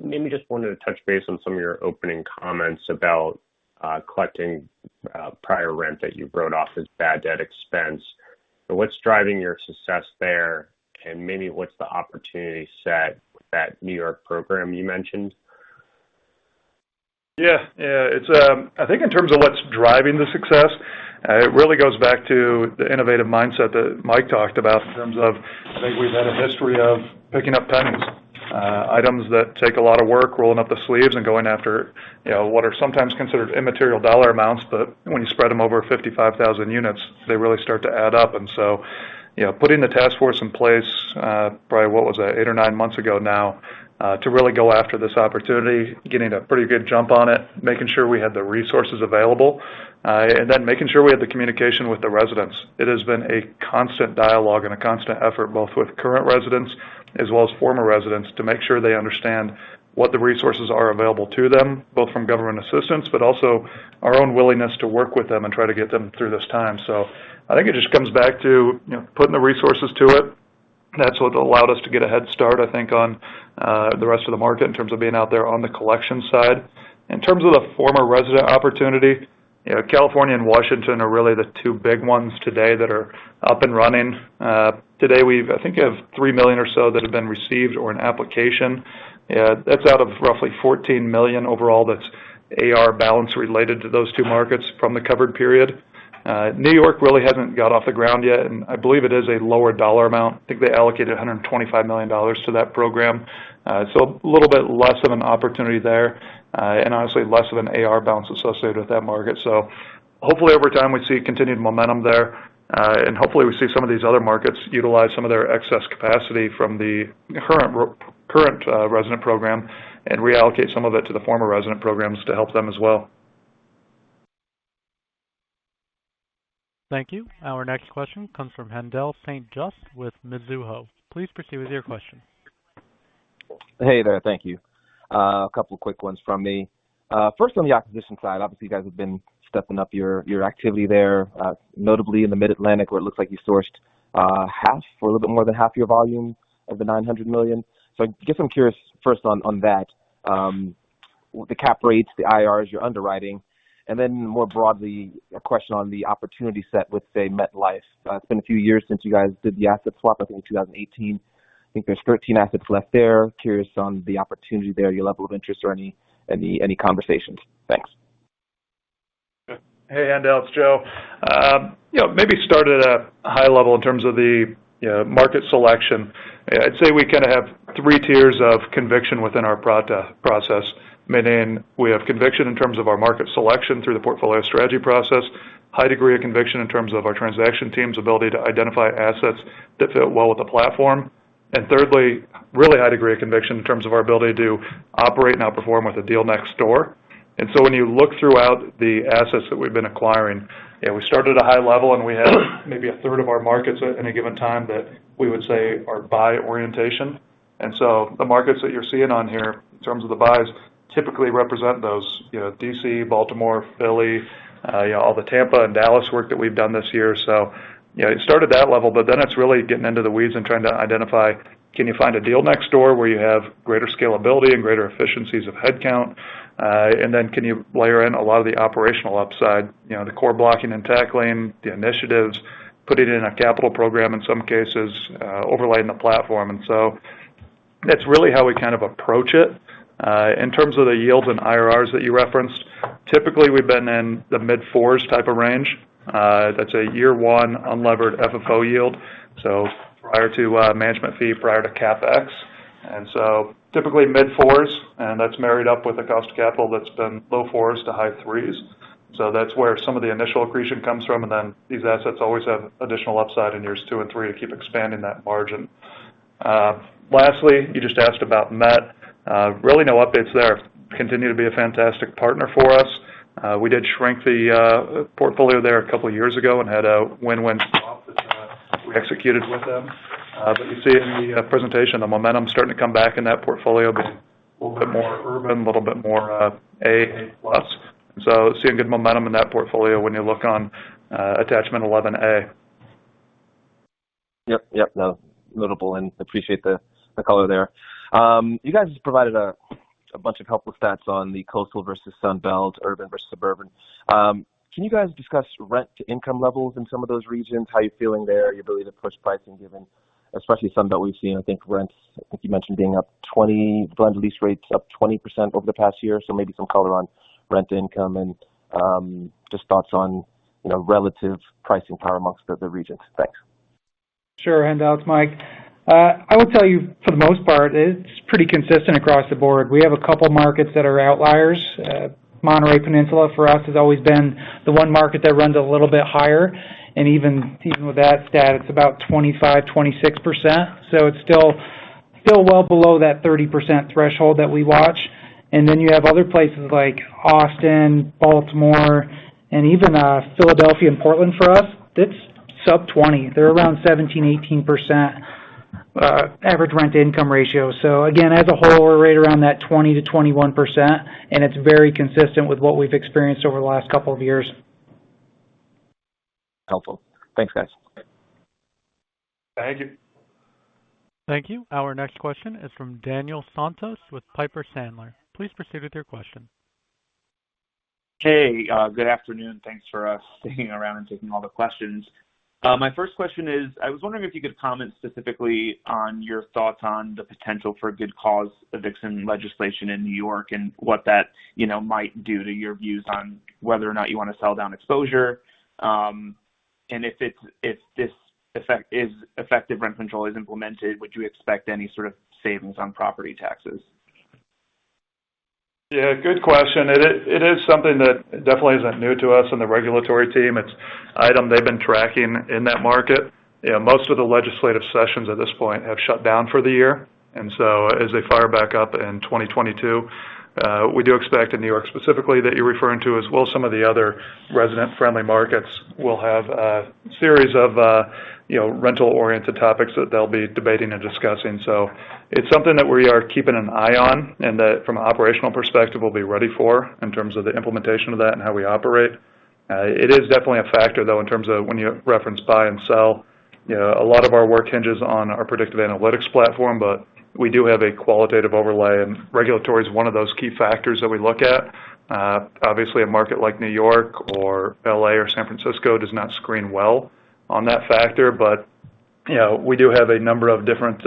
maybe just wanted to touch base on some of your opening comments about collecting prior rent that you've wrote off as bad debt expense. What's driving your success there, and maybe what's the opportunity set with that New York program you mentioned? Yeah. It's, I think in terms of what's driving the success, it really goes back to the innovative mindset that Mike talked about in terms of, I think we've had a history of picking up pennies, items that take a lot of work, rolling up the sleeves and going after, you know, what are sometimes considered immaterial dollar amounts, but when you spread them over 55,000 units, they really start to add up. You know, putting the task force in place, probably, what was it? Eight or nine months ago now, to really go after this opportunity, getting a pretty good jump on it, making sure we had the resources available, and then making sure we had the communication with the residents. It has been a constant dialogue and a constant effort, both with current residents as well as former residents, to make sure they understand what the resources are available to them, both from government assistance, but also our own willingness to work with them and try to get them through this time. I think it just comes back to, you know, putting the resources to it. That's what allowed us to get a head start, I think, on the rest of the market in terms of being out there on the collection side. In terms of the former resident opportunity, you know, California and Washington are really the two big ones today that are up and running. Today, I think, we have 3 million or so that have been received or in application. That's out of roughly 14 million overall that's AR balance related to those two markets from the covered period. New York really hasn't got off the ground yet, and I believe it is a lower dollar amount. I think they allocated $125 million to that program. A little bit less of an opportunity there, and honestly less of an AR balance associated with that market. Hopefully, over time, we see continued momentum there, and hopefully we see some of these other markets utilize some of their excess capacity from the current resident program and reallocate some of it to the former resident programs to help them as well. Thank you. Our next question comes from Haendel St. Juste with Mizuho. Please proceed with your question. Hey there. Thank you. A couple quick ones from me. First on the acquisition side, obviously, you guys have been stepping up your activity there, notably in the Mid-Atlantic, where it looks like you sourced half or a little bit more than half your volume of the $900 million. So I guess I'm curious first on that, the cap rates, the IRRs, your underwriting. Then more broadly, a question on the opportunity set with, say, MetLife. It's been a few years since you guys did the asset swap, I think in 2018. I think there's 13 assets left there. Curious on the opportunity there, your level of interest or any conversations. Thanks. Hey, Haendel, it's Joe. You know, maybe start at a high level in terms of the, you know, market selection. I'd say we kind of have three tiers of conviction within our process. Meaning we have conviction in terms of our market selection through the portfolio strategy process, high degree of conviction in terms of our transaction team's ability to identify assets that fit well with the platform. And thirdly, really high degree of conviction in terms of our ability to operate and outperform with a deal next door. When you look throughout the assets that we've been acquiring, you know, we start at a high level, and we have maybe a third of our markets at any given time that we would say are buy orientation. The markets that you're seeing on here in terms of the buys typically represent those, you know, D.C., Baltimore, Philly, you know, all the Tampa and Dallas work that we've done this year. You know, you start at that level, but then it's really getting into the weeds and trying to identify, can you find a deal next door where you have greater scalability and greater efficiencies of headcount? And then can you layer in a lot of the operational upside? You know, the core blocking and tackling, the initiatives, putting in a capital program in some cases, overlaying the platform. That's really how we kind of approach it. In terms of the yields and IRRs that you referenced, typically we've been in the mid-fours type of range. That's a year one unlevered FFO yield, so prior to management fee, prior to CapEx. Typically mid-fours, and that's married up with a cost of capital that's been low-fours to high-threes. That's where some of the initial accretion comes from, and then these assets always have additional upside in years two and three to keep expanding that margin. Lastly, you just asked about MetLife. Really no updates there. Continue to be a fantastic partner for us. We did shrink the portfolio there a couple years ago and had a win-win we executed with them. You see in the presentation, the momentum starting to come back in that portfolio a little bit more urban, a little bit more A+. See a good momentum in that portfolio when you look on attachment 11A. Yep. Notable and appreciate the color there. You guys provided a bunch of helpful stats on the Coastal versus Sun Belt, urban versus suburban. Can you guys discuss rent-to-income levels in some of those regions, how you're feeling there, your ability to push pricing given especially Sun Belt we've seen, I think rents, I think you mentioned being up 20 blend lease rates up 20% over the past year. Maybe some color on rent income and, just thoughts on, you know, relative pricing power amongst the regions. Thanks. Sure, Haendel, it's Mike, I would tell you for the most part, it's pretty consistent across the board. We have a couple markets that are outliers. Monterey Peninsula for us has always been the one market that runs a little bit higher. Even with that stat, it's about 25%-26%. It's still well below that 30% threshold that we watch. You have other places like Austin, Baltimore, and even Philadelphia and Portland for us, it's sub-20. They're around 17%-18%, average rent-to-income ratio. Again, as a whole, we're right around that 20%-21%, and it's very consistent with what we've experienced over the last couple of years. Helpful. Thanks, guys. Thank you. Thank you. Our next question is from Daniel Santos with Piper Sandler. Please proceed with your question. Hey, good afternoon. Thanks for sticking around and taking all the questions. My first question is, I was wondering if you could comment specifically on your thoughts on the potential for Good Cause Eviction legislation in New York and what that, you know, might do to your views on whether or not you wanna sell down exposure. If this effective rent control is implemented, would you expect any sort of savings on property taxes? Yeah, good question. It is something that definitely isn't new to us in the regulatory team. It's an item they've been tracking in that market. You know, most of the legislative sessions at this point have shut down for the year. As they fire back up in 2022, we do expect in New York specifically that you're referring to, as well as some of the other resident-friendly markets, we'll have a series of, you know, rental-oriented topics that they'll be debating and discussing. It's something that we are keeping an eye on and that from an operational perspective, we'll be ready for in terms of the implementation of that and how we operate. It is definitely a factor, though, in terms of when you reference buy and sell. You know, a lot of our work hinges on our predictive analytics platform, but we do have a qualitative overlay, and regulatory is one of those key factors that we look at. Obviously a market like New York or L.A. or San Francisco does not screen well on that factor. But, you know, we do have a number of different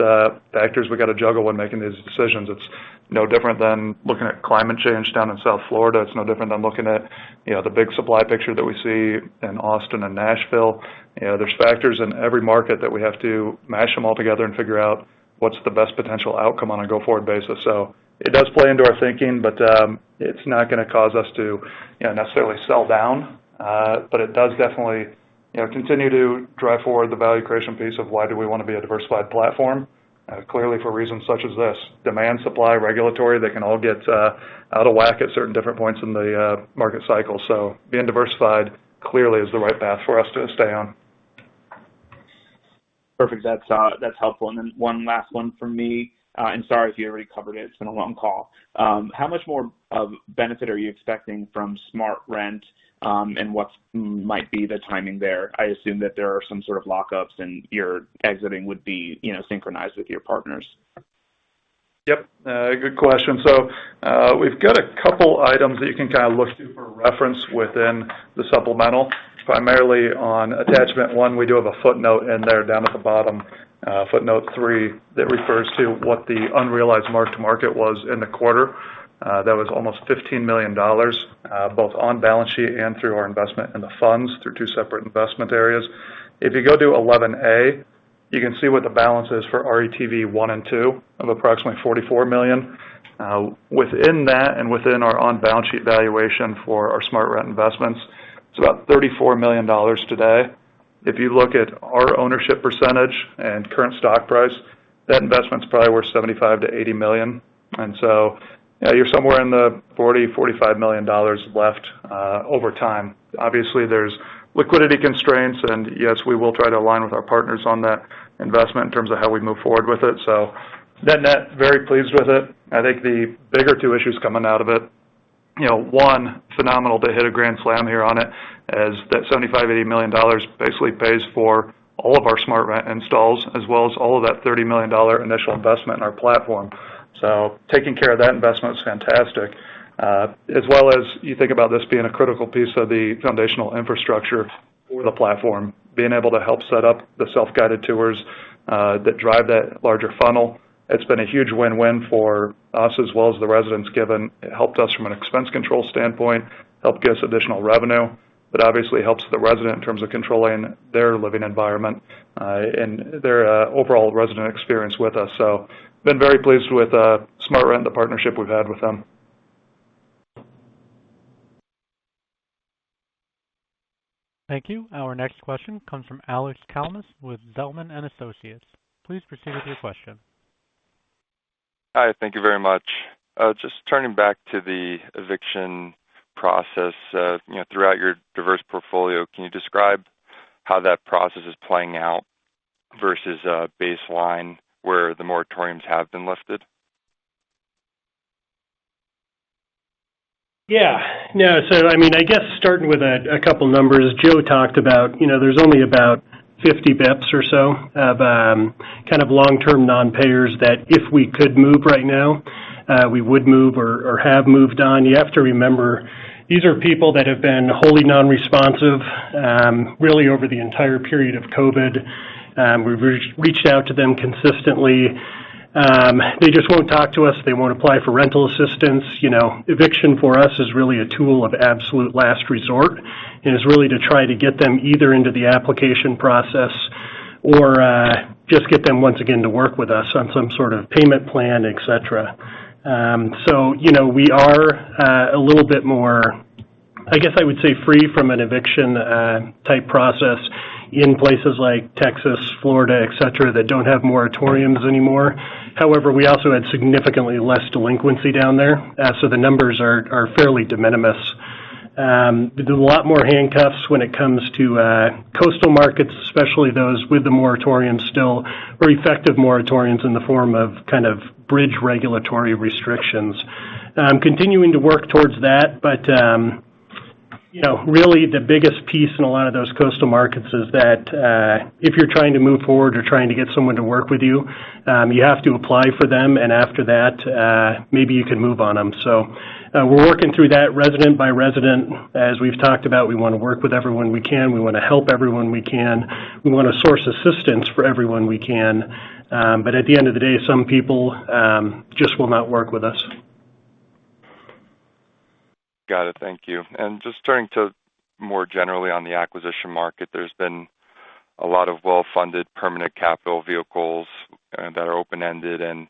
factors we gotta juggle when making these decisions. It's no different than looking at climate change down in South Florida. It's no different than looking at, you know, the big supply picture that we see in Austin and Nashville. You know, there's factors in every market that we have to mash them all together and figure out what's the best potential outcome on a go-forward basis. It does play into our thinking, but it's not gonna cause us to, you know, necessarily sell down. It does definitely, you know, continue to drive forward the value creation piece of why do we wanna be a diversified platform. Clearly for reasons such as this, demand, supply, regulatory, they can all get out of whack at certain different points in the market cycle. Being diversified clearly is the right path for us to stay on. Perfect. That's helpful. One last one from me, and sorry if you already covered it's been a long call. How much more of benefit are you expecting from SmartRent? What might be the timing there? I assume that there are some sort of lockups and your exiting would be, you know, synchronized with your partners. Yep. Good question. We've got a couple items that you can kind of look to for reference within the supplemental, primarily on attachment one. We do have a footnote in there down at the bottom, footnote three, that refers to what the unrealized mark to market was in the quarter. That was almost $15 million, both on balance sheet and through our investment in the funds through two separate investment areas. If you go to 11A, you can see what the balance is for RETV one and two of approximately $44 million. Within that and within our on-balance-sheet valuation for our SmartRent investments, it's about $34 million today. If you look at our ownership percentage and current stock price, that investment's probably worth $75 million-$80 million. You know, you're somewhere in the $40-$45 million left over time. Obviously, there's liquidity constraints, and yes, we will try to align with our partners on that investment in terms of how we move forward with it. Net-net, very pleased with it. I think the bigger two issues coming out of it, you know, one, phenomenal to hit a grand slam here on it is that $75 million-$80 million basically pays for all of our SmartRent installs, as well as all of that $30 million initial investment in our platform. Taking care of that investment is fantastic. As well as you think about this being a critical piece of the foundational infrastructure for the platform, being able to help set up the self-guided tours that drive that larger funnel. It's been a huge win-win for us as well as the residents given it helped us from an expense control standpoint, helped give us additional revenue. It obviously helps the resident in terms of controlling their living environment, and their overall resident experience with us. Been very pleased with SmartRent, the partnership we've had with them. Thank you. Our next question comes from Alex Kalmus with Zelman & Associates. Please proceed with your question. Hi, thank you very much. Just turning back to the eviction process, you know, throughout your diverse portfolio, can you describe how that process is playing out versus baseline where the moratoriums have been lifted? Yeah. No. I mean, I guess starting with a couple numbers Joe talked about, you know, there's only about 50 basis points or so of kind of long-term non-payers that if we could move right now, we would move or have moved on. You have to remember, these are people that have been wholly non-responsive, really over the entire period of COVID. We've reached out to them consistently. They just won't talk to us. They won't apply for rental assistance. You know, eviction for us is really a tool of absolute last resort, and is really to try to get them either into the application process or just get them once again to work with us on some sort of payment plan, et cetera. You know, we are a little bit more, I guess I would say, free from an eviction type process in places like Texas, Florida, et cetera, that don't have moratoriums anymore. However, we also had significantly less delinquency down there. The numbers are fairly de minimis. There's a lot more handcuffs when it comes to Coastal markets, especially those with the moratorium still or effective moratoriums in the form of kind of bridge regulatory restrictions. Continuing to work towards that, but you know, really the biggest piece in a lot of those Coastal markets is that if you're trying to move forward or trying to get someone to work with you have to apply for them, and after that, maybe you can move on them. We're working through that resident by resident. As we've talked about, we wanna work with everyone we can. We wanna help everyone we can. We wanna source assistance for everyone we can. At the end of the day, some people just will not work with us. Got it. Thank you. Just turning to more generally on the acquisition market, there's been a lot of well-funded permanent capital vehicles that are open-ended and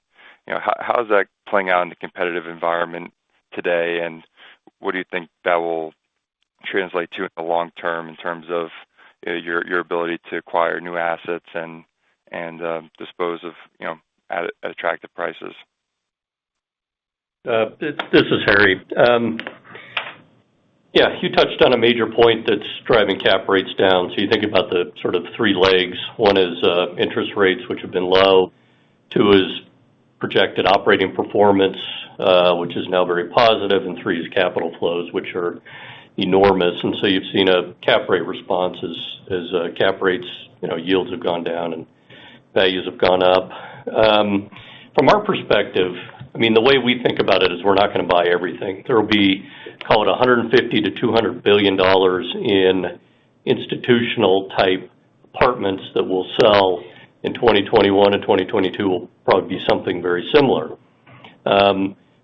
you know, how is that playing out in the competitive environment today, and what do you think that will translate to in the long term in terms of, you know, your ability to acquire new assets and dispose of, you know, at attractive prices? This is Harry. Yeah, you touched on a major point that's driving cap rates down. You think about the sort of three legs. One is interest rates, which have been low. Two is projected operating performance, which is now very positive. Three is capital flows, which are enormous. You've seen a cap rate response as cap rates, you know, yields have gone down and values have gone up. From our perspective, I mean, the way we think about it is we're not gonna buy everything. There will be, call it $150 billion-$200 billion in institutional-type apartments that we'll sell in 2021 and 2022, will probably be something very similar.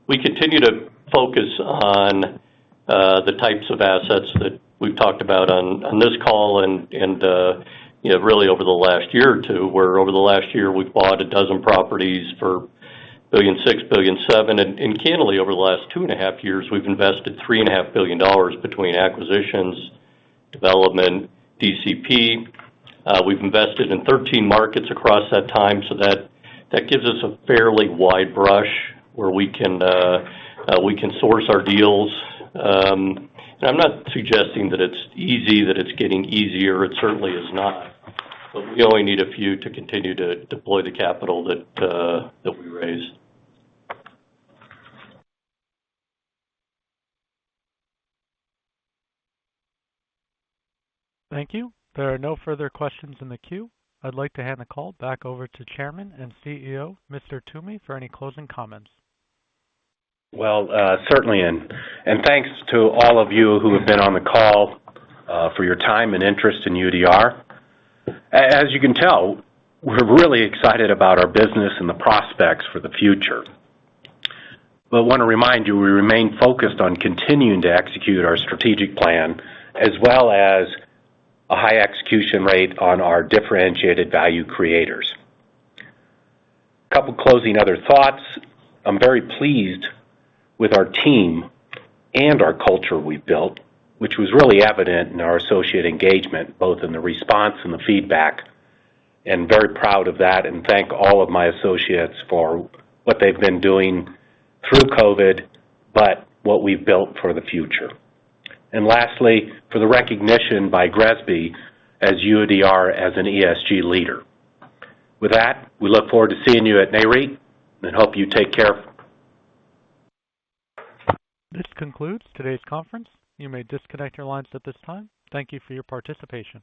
We continue to focus on the types of assets that we've talked about on this call and you know, really over the last year or two, where over the last year we've bought 12 properties for $1.6 billion-$1.7 billion. Candidly, over the last two and a half years, we've invested $3.5 billion between acquisitions, development, DCP. We've invested in 13 markets across that time, so that gives us a fairly wide brush where we can source our deals. I'm not suggesting that it's easy, that it's getting easier. It certainly is not. We only need a few to continue to deploy the capital that we raised. Thank you. There are no further questions in the queue. I'd like to hand the call back over to Chairman and CEO, Mr. Toomey, for any closing comments. Well, certainly, and thanks to all of you who have been on the call for your time and interest in UDR. As you can tell, we're really excited about our business and the prospects for the future. We wanna remind you, we remain focused on continuing to execute our strategic plan, as well as a high execution rate on our differentiated value creators. A couple of closing thoughts. I'm very pleased with our team and our culture we've built, which was really evident in our associate engagement, both in the response and the feedback, and very proud of that, and thank all of my associates for what they've been doing through COVID, but what we've built for the future. Lastly, for the recognition by GRESB of UDR as an ESG leader. With that, we look forward to seeing you at NAREIT and hope you take care. This concludes today's conference. You may disconnect your lines at this time. Thank you for your participation.